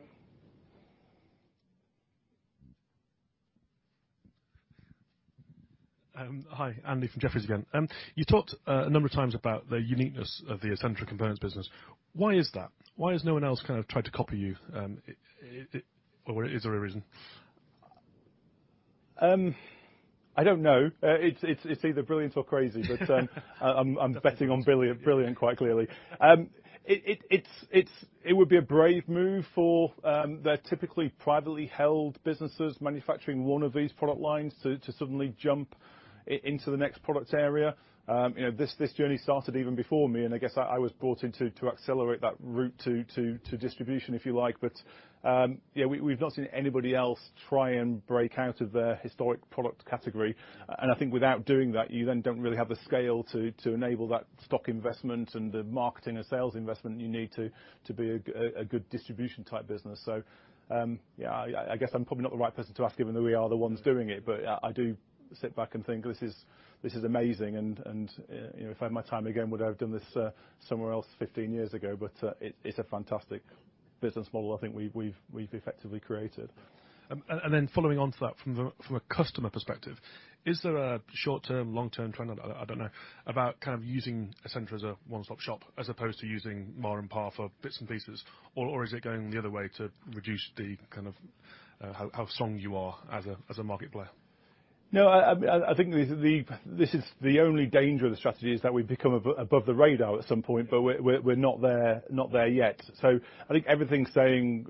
Andy. Back to okay. Hi. Andy from Jefferies again. You talked a number of times about the uniqueness of the Essentra Components business. Why is that? Why has no one else kind of tried to copy you? Or is there a reason? I don't know. It's either brilliance or crazy. I'm betting on brilliant quite clearly. It would be a brave move for their typically privately held businesses manufacturing one of these product lines to suddenly jump into the next product area. You know, this journey started even before me, and I guess I was brought in to accelerate that route to distribution, if you like. Yeah, we've not seen anybody else try and break out of their historic product category. I think without doing that, you then don't really have the scale to enable that stock investment and the marketing and sales investment you need to be a good distribution type business. I guess I'm probably not the right person to ask given that we are the ones doing it. I do sit back and think this is amazing, and you know, if I had my time again, would I have done this somewhere else 15 years ago? It's a fantastic business model I think we've effectively created. Following on to that from a customer perspective, is there a short-term, long-term trend, I don't know, about kind of using Essentra as a one-stop shop as opposed to using Mar and Par for bits and pieces? Or is it going the other way to reduce the kind of how strong you are as a market player? No, I think this is the only danger of the strategy is that we become above the radar at some point, but we're not there yet. I think everything's saying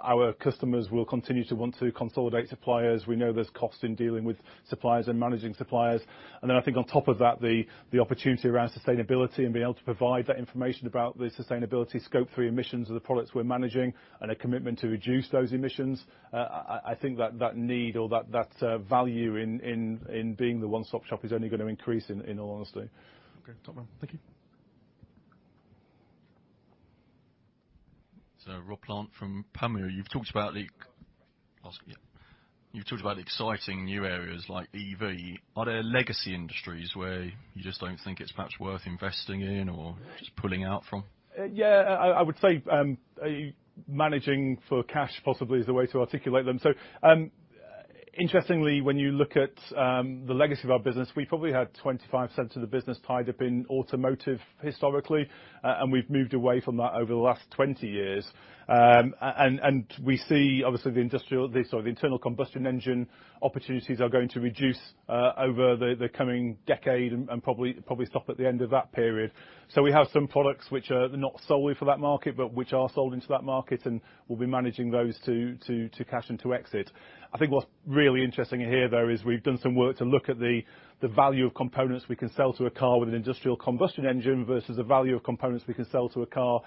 our customers will continue to want to consolidate suppliers. We know there's cost in dealing with suppliers and managing suppliers. I think on top of that, the opportunity around sustainability and being able to provide that information about the sustainability Scope 3 emissions of the products we're managing and a commitment to reduce those emissions. I think that need or that value in being the one-stop shop is only gonna increase in all honesty. Okay. Thank you. Rob Plant from Panmure. You've talked about exciting new areas like EV. Are there legacy industries where you just don't think it's perhaps worth investing in or just pulling out from? Yeah. I would say managing for cash possibly is the way to articulate them. Interestingly, when you look at the legacy of our business, we probably had 25 cents of the business tied up in automotive historically, and we've moved away from that over the last 20 years. We see obviously the industrial, the sort of internal combustion engine opportunities are going to reduce over the coming decade and probably stop at the end of that period. We have some products which are not solely for that market, but which are sold into that market, and we'll be managing those to cash and to exit. I think what's really interesting here, though, is we've done some work to look at the value of components we can sell to a car with an industrial combustion engine versus the value of components we can sell to a car,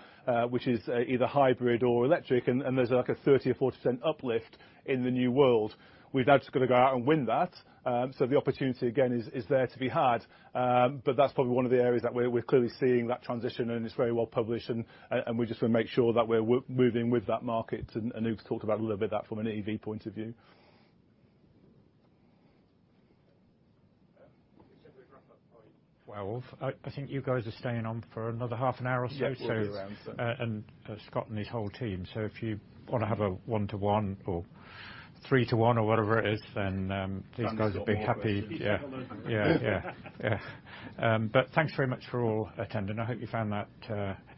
which is either hybrid or electric, and there's like a 30%-40% uplift in the new world. We've now just gotta go out and win that. So the opportunity again is there to be had. But that's probably one of the areas that we're clearly seeing that transition, and it's very well published, and we just wanna make sure that we're moving with that market, and Hugues Delcourt talked about a little bit of that from an EV point of view. We'll generally wrap up by 12:00 P.M. I think you guys are staying on for another half an hour or so. Yeah, we'll be around. Scott and his whole team. If you wanna have a one-to-one or three-to-one or whatever it is, then these guys will be happy. Yeah. Thanks very much for all attending. I hope you found that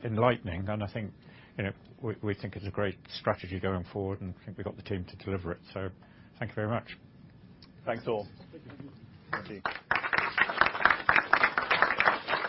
enlightening. I think, you know, we think it's a great strategy going forward, and I think we've got the team to deliver it. Thank you very much. Thanks, all. Thank you. Thank you.